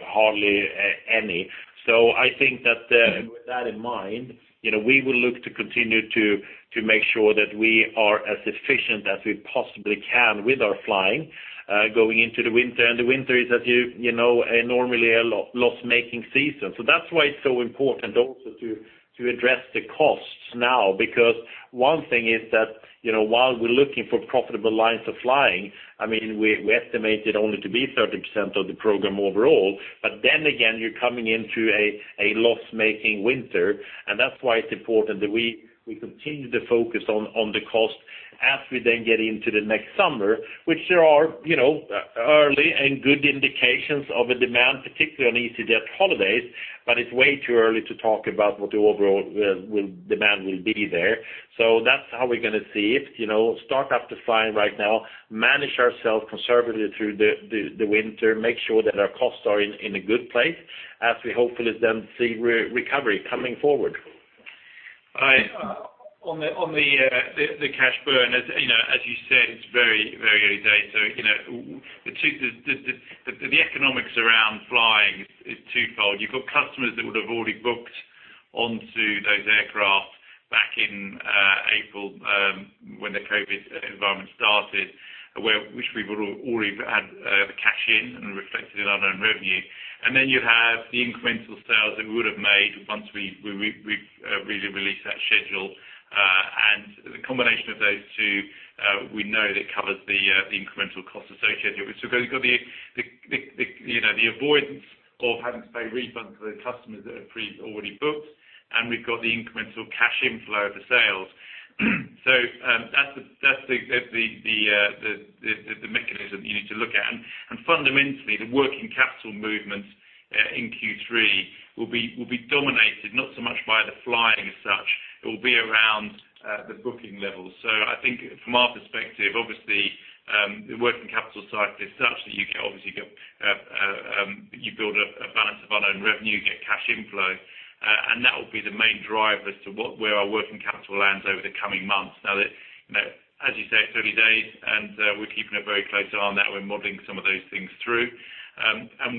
hardly any. I think that with that in mind, we will look to continue to make sure that we are as efficient as we possibly can with our flying going into the winter. The winter is normally a loss-making season. That's why it's so important also to address the costs now. One thing is that, while we're looking for profitable lines of flying, we estimate it only to be 30% of the program overall. Again, you're coming into a loss-making winter, and that's why it's important that we continue to focus on the cost as we then get into the next summer, which there are early and good indications of a demand, particularly on easyJet holidays, but it's way too early to talk about what the overall demand will be there. That's how we're going to see it. Start up the flying right now, manage ourselves conservatively through the winter, make sure that our costs are in a good place as we hopefully then see recovery coming forward. On the cash burn, as you said, it's very early days. The economics around flying is twofold. You've got customers that would have already booked onto those aircraft back in April, when the COVID environment started, which we would already have had the cash in and reflected in our known revenue. You have the incremental sales that we would have made once we've really released that schedule. The combination of those two, we know that covers the incremental costs associated with it. You've got the avoidance of having to pay refunds to the customers that have already booked, and we've got the incremental cash inflow of the sales. That's the mechanism you need to look at. Fundamentally, the working capital movement in Q3 will be dominated not so much by the flying as such, it will be around the booking levels. I think from our perspective, obviously, the working capital side is such that you build up a balance of unearned revenue, you get cash inflow, and that will be the main driver as to where our working capital lands over the coming months. As you say, it's early days, and we're keeping a very close eye on that. We're modeling some of those things through.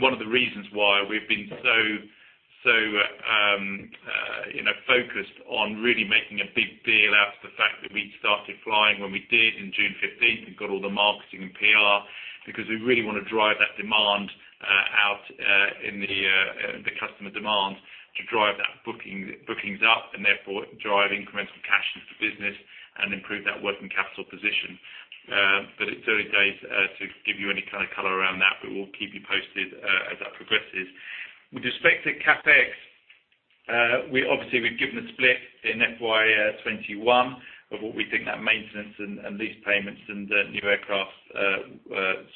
One of the reasons why we've been so focused on really making a big deal out of the fact that we started flying when we did in June 15th. We've got all the marketing and PR because we really want to drive that demand out, the customer demand, to drive that bookings up and therefore drive incremental cash into the business and improve that working capital position. It's early days to give you any kind of color around that, but we'll keep you posted as that progresses. With respect to CapEx, obviously we've given the split in FY 2021 of what we think that maintenance and lease payments and new aircraft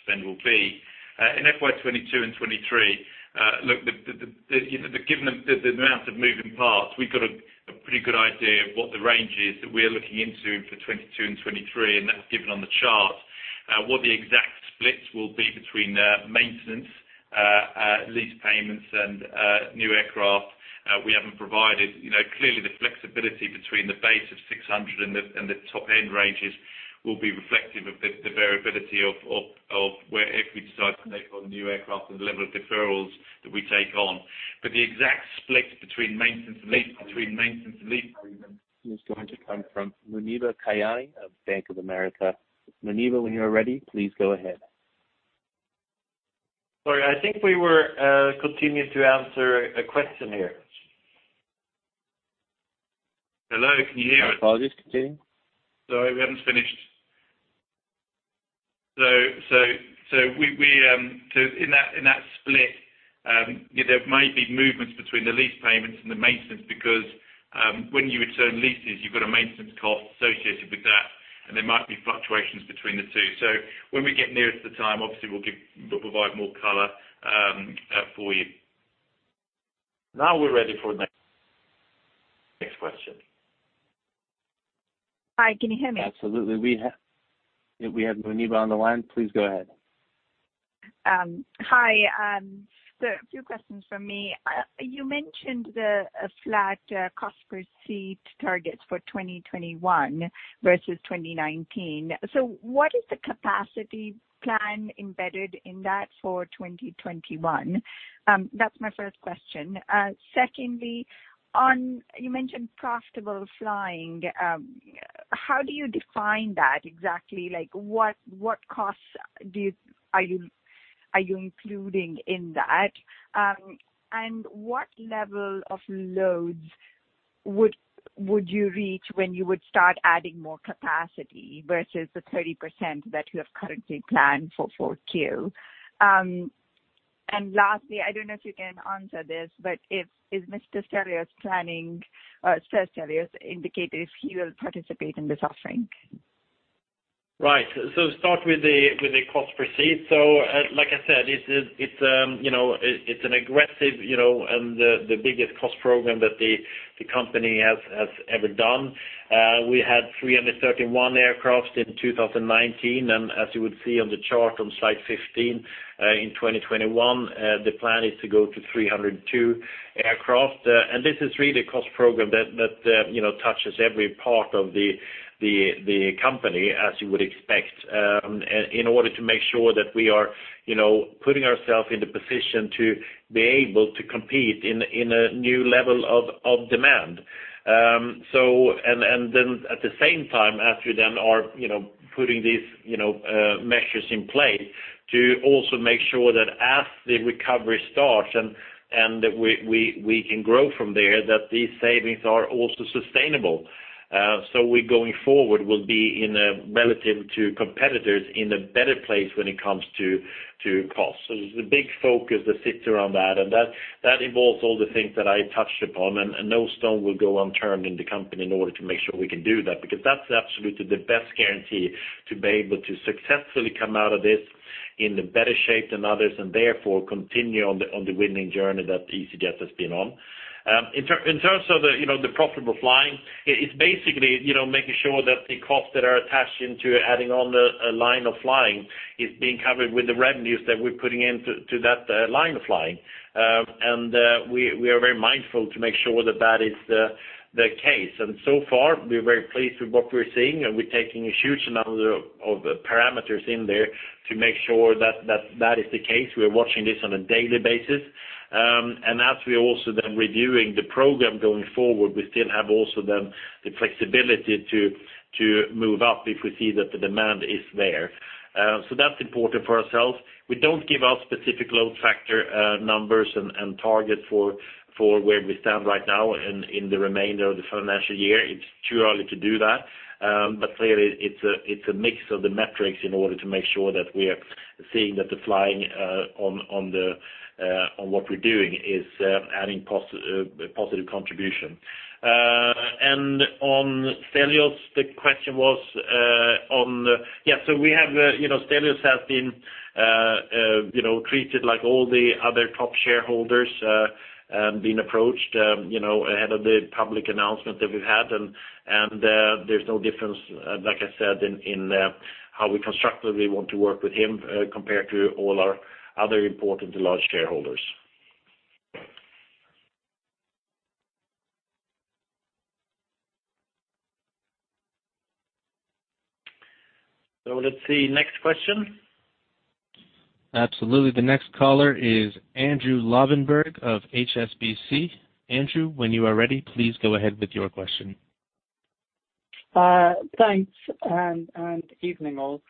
spend will be. In FY 2022 and 2023, given the amount of moving parts, we've got a pretty good idea of what the range is that we're looking into for 2022 and 2023, and that's given on the chart. What the exact splits will be between maintenance, lease payments, and new aircraft, we haven't provided. Clearly, the flexibility between the base of 600 and the top-end ranges will be reflective of the variability of where if we decide to take on new aircraft and the level of deferrals that we take on. The exact split between maintenance and lease payments- Is going to come from Muneeba Kayani of Bank of America. Muneeba, when you're ready, please go ahead. Sorry, I think we were continuing to answer a question here. Hello, can you hear me? Apologies. Continue. Sorry, we haven't finished. In that split, there might be movements between the lease payments and the maintenance because when you return leases, you've got a maintenance cost associated with that, and there might be fluctuations between the two. When we get nearer to the time, obviously we'll provide more color for you. Now we're ready for the next question. Hi, can you hear me? Absolutely. We have Muneeba on the line. Please go ahead. Hi. A few questions from me. You mentioned the flat cost per seat targets for 2021 versus 2019. That's my first question. Secondly, you mentioned profitable flying. How do you define that exactly? What costs are you including in that? What level of loads would you reach when you would start adding more capacity versus the 30% that you have currently planned for 4Q? Lastly, I don't know if you can answer this, is Sir Stelios indicated if he will participate in this offering? Right. Start with the cost per seat. Like I said, it's an aggressive, and the biggest cost program that the company has ever done. We had 331 aircraft in 2019, and as you would see on the chart on slide 15, in 2021, the plan is to go to 302 aircraft. This is really a cost program that touches every part of the company, as you would expect, in order to make sure that we are putting ourselves in the position to be able to compete in a new level of demand. Then at the same time, as we then are putting these measures in place to also make sure that as the recovery starts and we can grow from there, that these savings are also sustainable. We, going forward, will be in a, relative to competitors, in a better place when it comes to costs. There's a big focus that sits around that, and that involves all the things that I touched upon, and no stone will go unturned in the company in order to make sure we can do that, because that's absolutely the best guarantee to be able to successfully come out of this in a better shape than others, and therefore continue on the winning journey that easyJet has been on. In terms of the profitable flying, it's basically making sure that the costs that are attached into adding on the line of flying is being covered with the revenues that we're putting into that line of flying. We are very mindful to make sure that is the case. So far, we're very pleased with what we're seeing, and we're taking a huge number of parameters in there to make sure that is the case. We are watching this on a daily basis. As we are also then reviewing the program going forward, we still have also then the flexibility to move up if we see that the demand is there. That's important for ourselves. We don't give out specific load factor numbers and targets for where we stand right now in the remainder of the financial year. It's too early to do that. Clearly it's a mix of the metrics in order to make sure that we are seeing that the flying on what we're doing is adding positive contribution. On Stelios, the question was on the Yes, Stelios has been treated like all the other top shareholders, being approached ahead of the public announcement that we've had, and there's no difference, like I said, in how we constructively want to work with him compared to all our other important large shareholders. Let's see. Next question. Absolutely. The next caller is Andrew Lobbenberg of HSBC. Andrew, when you are ready, please go ahead with your question. Thanks, evening, all.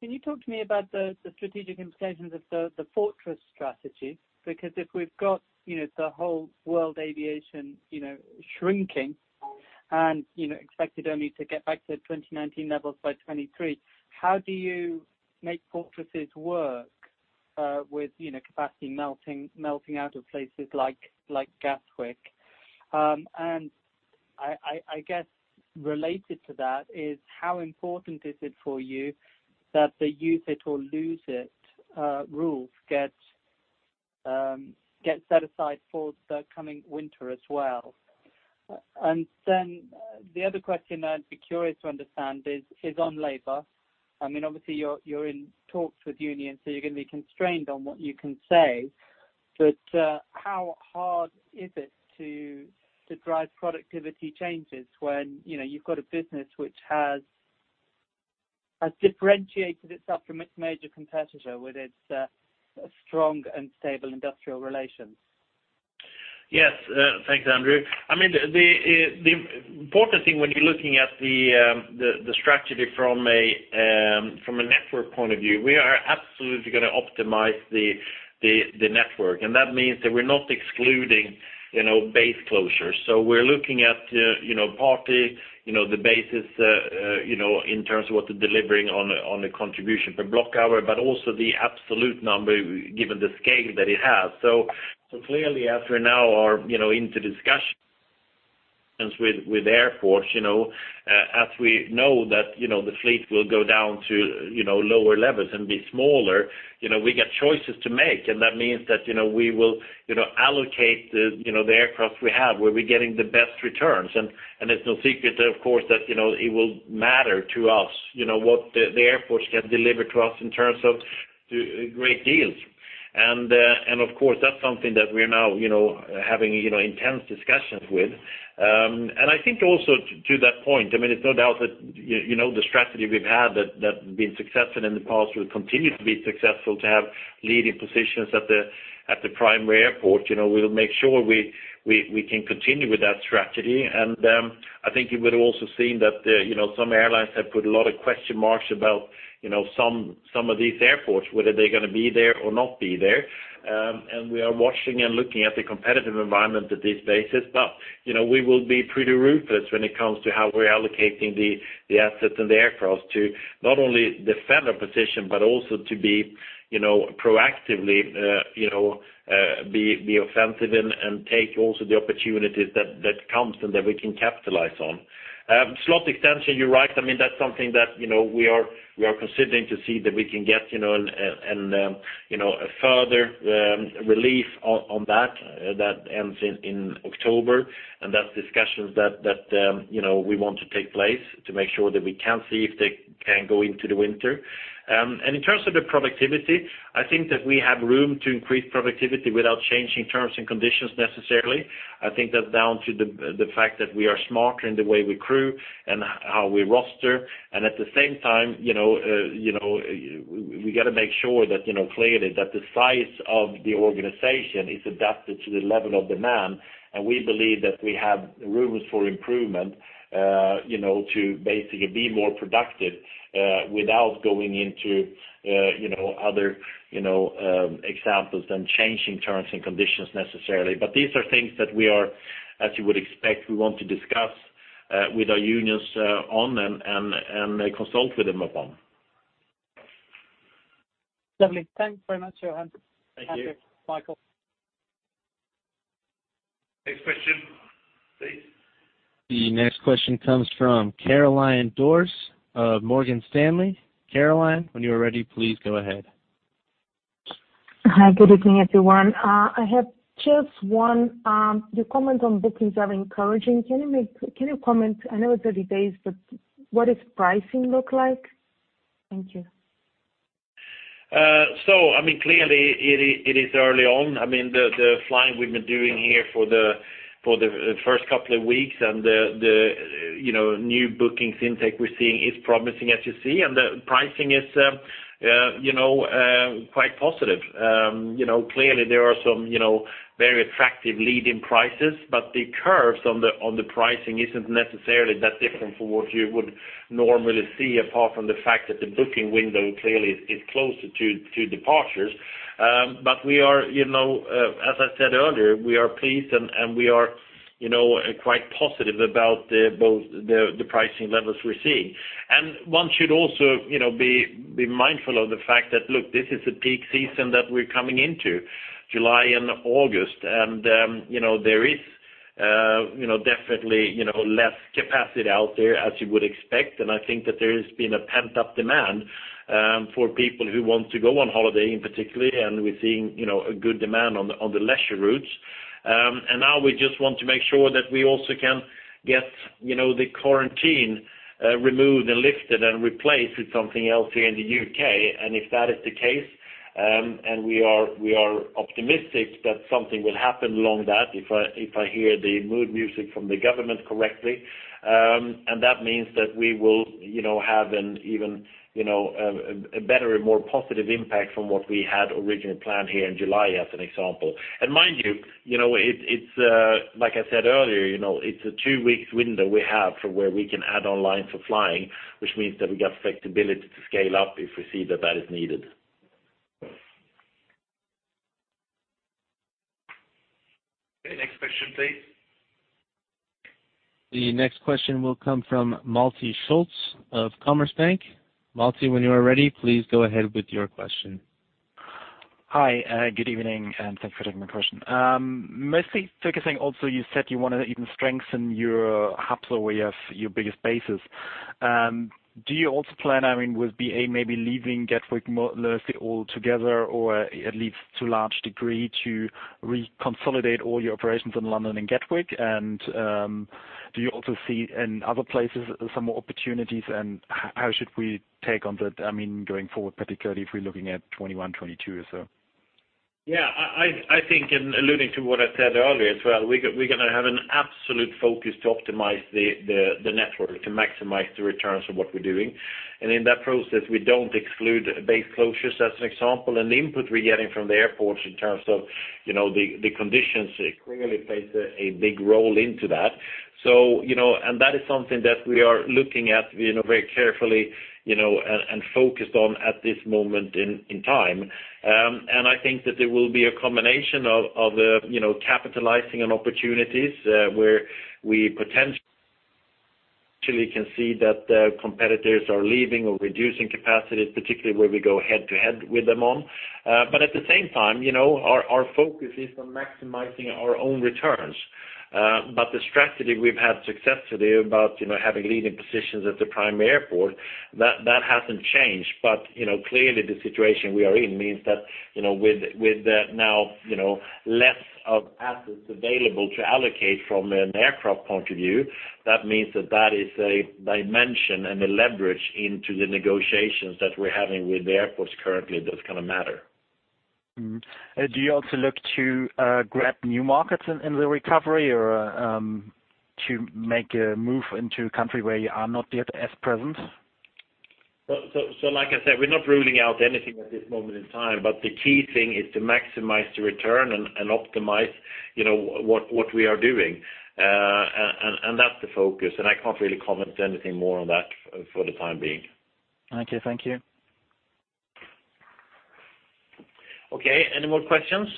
Can you talk to me about the strategic implications of the fortress strategy? If we've got the whole world aviation shrinking, and expected only to get back to 2019 levels by 2023, how do you make fortresses work with capacity melting out of places like Gatwick? I guess related to that is how important is it for you that the use it or lose it rule gets set aside for the coming winter as well? The other question I'd be curious to understand is on labor. Obviously, you're in talks with unions, so you're going to be constrained on what you can say. How hard is it to drive productivity changes when you've got a business which has differentiated itself from its major competitor with its strong and stable industrial relations? Yes. Thanks, Andrew. The important thing when you're looking at the strategy from a network point of view, we are absolutely going to optimize the network, that means that we're not excluding base closures. We're looking at partly the bases in terms of what they're delivering on the contribution per block hour, but also the absolute number given the scale that it has. Clearly, as we now are into discussions with airports as we know that the fleet will go down to lower levels and be smaller, we get choices to make. That means that we will allocate the aircraft we have, where we're getting the best returns. It's no secret, of course, that it will matter to us what the airports can deliver to us in terms of great deals. Of course, that's something that we're now having intense discussions with. I think also to that point, it's no doubt that the strategy we've had that has been successful in the past will continue to be successful to have leading positions at the primary airport. We'll make sure we can continue with that strategy. I think you would've also seen that some airlines have put a lot of question marks about some of these airports, whether they're going to be there or not be there. We are watching and looking at the competitive environment at these bases. We will be pretty ruthless when it comes to how we're allocating the assets and the aircraft to not only defend our position, but also to be proactively be offensive and take also the opportunities that comes and that we can capitalize on. Slot extension, you're right. That's something that we are considering to see that we can get a further relief on that. That's discussions that we want to take place to make sure that we can see if they can go into the winter. In terms of the productivity, I think that we have room to increase productivity without changing terms and conditions necessarily. I think that's down to the fact that we are smarter in the way we crew and how we roster. At the same time, we got to make sure that, clearly, that the size of the organization is adapted to the level of demand. We believe that we have rooms for improvement to basically be more productive without going into other examples than changing terms and conditions necessarily. These are things that we are, as you would expect, we want to discuss with our unions on and consult with them upon. Lovely. Thanks very much, Johan. Thank you. Next question, please. The next question comes from Carolina Dores of Morgan Stanley. Carolina, when you're ready, please go ahead. Hi, good evening, everyone. I have just one. Your comment on bookings are encouraging. Can you comment, I know it's early days, but what does pricing look like? Thank you. Clearly, it is early on. The flying we've been doing here for the first couple of weeks, and the new bookings intake we're seeing is promising, as you see, and the pricing is quite positive. Clearly, there are some very attractive lead-in prices, but the curves on the pricing isn't necessarily that different from what you would normally see, apart from the fact that the booking window clearly is closer to departures. As I said earlier, we are pleased, and we are quite positive about both the pricing levels we're seeing. One should also be mindful of the fact that, look, this is a peak season that we're coming into, July and August, and there is definitely less capacity out there as you would expect. I think that there has been a pent-up demand for people who want to go on holiday in particular, and we're seeing a good demand on the leisure routes. Now we just want to make sure that we also can get the quarantine removed and lifted and replaced with something else here in the U.K. If that is the case, and we are optimistic that something will happen along that, if I hear the mood music from the government correctly. That means that we will have an even better and more positive impact from what we had originally planned here in July, as an example. Mind you, like I said earlier it's a two weeks window we have for where we can add online for flying, which means that we got flexibility to scale up if we see that that is needed. Okay. Next question, please. The next question will come from Malte Schulz of Commerzbank. Malte, when you are ready, please go ahead with your question. Hi, good evening, and thanks for taking my question. Mostly focusing, also, you said you want to even strengthen your hubs where you have your biggest bases. Do you also plan with BA maybe leaving Gatwick mostly altogether or at least to large degree to reconsolidate all your operations in London and Gatwick? Do you also see in other places some more opportunities, and how should we take on that, going forward, particularly if we're looking at 2021, 2022 or so? Yeah, I think in alluding to what I said earlier as well, we're going to have an absolute focus to optimize the network, to maximize the returns of what we're doing. In that process, we don't exclude base closures, as an example. The input we're getting from the airports in terms of the conditions clearly plays a big role into that. That is something that we are looking at very carefully, and focused on at this moment in time. I think that there will be a combination of capitalizing on opportunities where we potentially can see that competitors are leaving or reducing capacity, particularly where we go head to head with them on. At the same time, our focus is on maximizing our own returns. The strategy we've had success to date about having leading positions at the prime airport, that hasn't changed. Clearly the situation we are in means that with the now less of assets available to allocate from an aircraft point of view, that means that that is a dimension and a leverage into the negotiations that we're having with the airports currently. That's going to matter. Do you also look to grab new markets in the recovery or to make a move into a country where you are not yet as present? Like I said, we're not ruling out anything at this moment in time, but the key thing is to maximize the return and optimize what we are doing. That's the focus, and I can't really comment anything more on that for the time being. Okay. Thank you. Okay. Any more questions?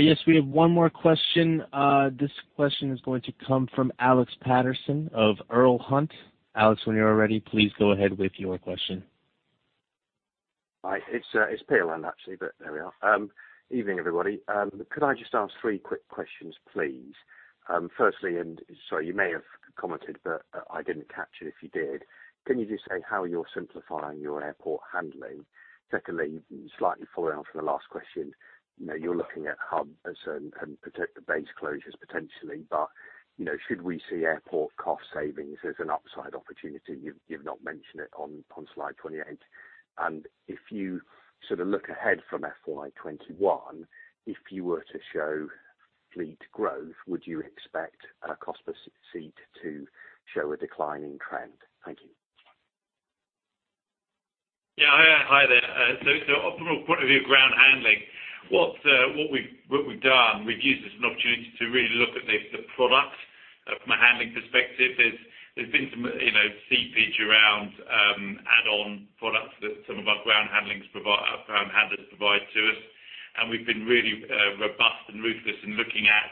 Yes, we have one more question. This question is going to come from Alex Paterson of Peel Hunt. Alex, when you're ready, please go ahead with your question. Hi, it's Peter Land, actually, but there we are. Evening, everybody. Could I just ask three quick questions, please? Firstly, sorry, you may have commented, but I didn't catch it if you did. Can you just say how you're simplifying your airport handling? Secondly, slightly following on from the last question, you're looking at hub and base closures, potentially. Should we see airport cost savings as an upside opportunity? You've not mentioned it on slide 28. If you sort of look ahead from FY 2021, if you were to show fleet growth, would you expect cost per seat to show a declining trend? Thank you. Yeah. Hi there. From a point of view of ground handling, what we've done, we've used this as an opportunity to really look at the product from a handling perspective. There's been some seepage around add-on products that some of our ground handlers provide to us, and we've been really robust and ruthless in looking at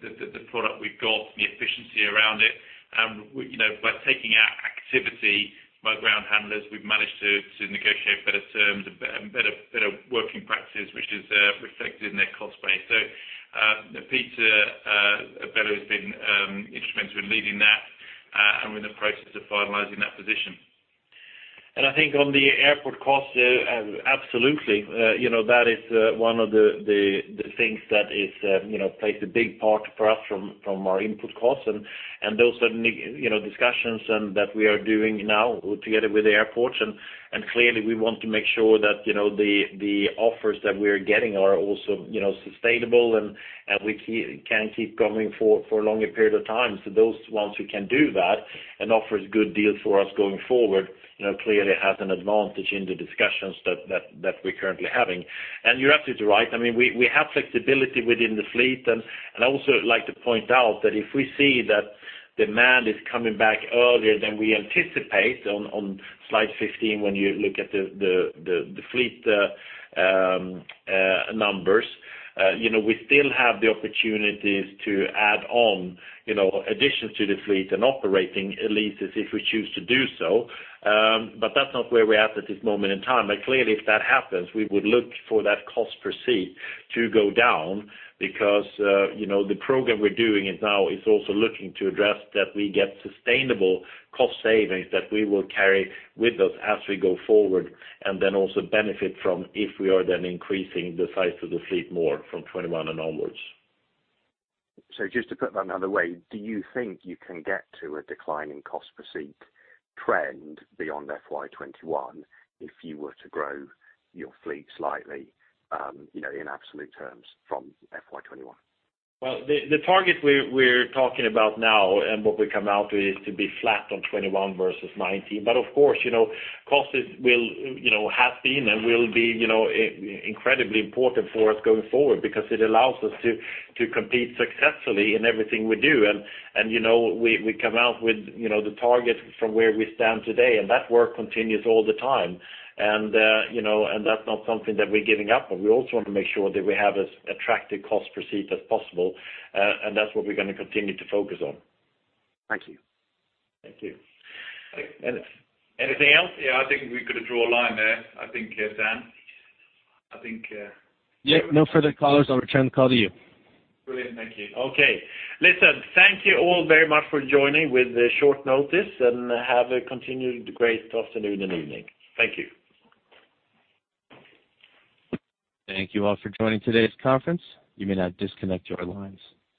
the product we've got and the efficiency around it. By taking out activity by ground handlers, we've managed to negotiate better terms and better working practices, which is reflected in their cost base. Peter Bellew has been instrumental in leading that, and we're in the process of finalizing that position. I think on the airport costs, absolutely. That is one of the things that plays a big part for us from our input costs and those are discussions that we are doing now together with the airports. Clearly, we want to make sure that the offers that we're getting are also sustainable, and we can keep going for a longer period of time. Those ones who can do that and offers good deals for us going forward, clearly has an advantage in the discussions that we're currently having. You're absolutely right. We have flexibility within the fleet. I'd also like to point out that if we see that demand is coming back earlier than we anticipate, on slide 15, when you look at the fleet numbers, we still have the opportunities to add on additions to the fleet and operating leases if we choose to do so. That's not where we are at this moment in time. Clearly, if that happens, we would look for that cost per seat to go down because the program we're doing now is also looking to address that we get sustainable cost savings that we will carry with us as we go forward, and then also benefit from if we are then increasing the size of the fleet more from 2021 and onwards. Just to put that another way, do you think you can get to a declining cost per seat trend beyond FY 2021 if you were to grow your fleet slightly, in absolute terms from FY 2021? Well, the target we're talking about now and what we come out with is to be flat on 2021 versus 2019. Of course, costs have been and will be incredibly important for us going forward because it allows us to compete successfully in everything we do. We come out with the target from where we stand today, and that work continues all the time. That's not something that we're giving up. We also want to make sure that we have as attractive cost per seat as possible, and that's what we're going to continue to focus on. Thank you. Thank you. Anything else? Yeah, I think we could draw a line there. I think, Dan? Yeah. No further callers. I'll return the call to you. Brilliant. Thank you. Okay. Listen, thank you all very much for joining with short notice and have a continued great afternoon and evening. Thank you. Thank you all for joining today's conference. You may now disconnect your lines.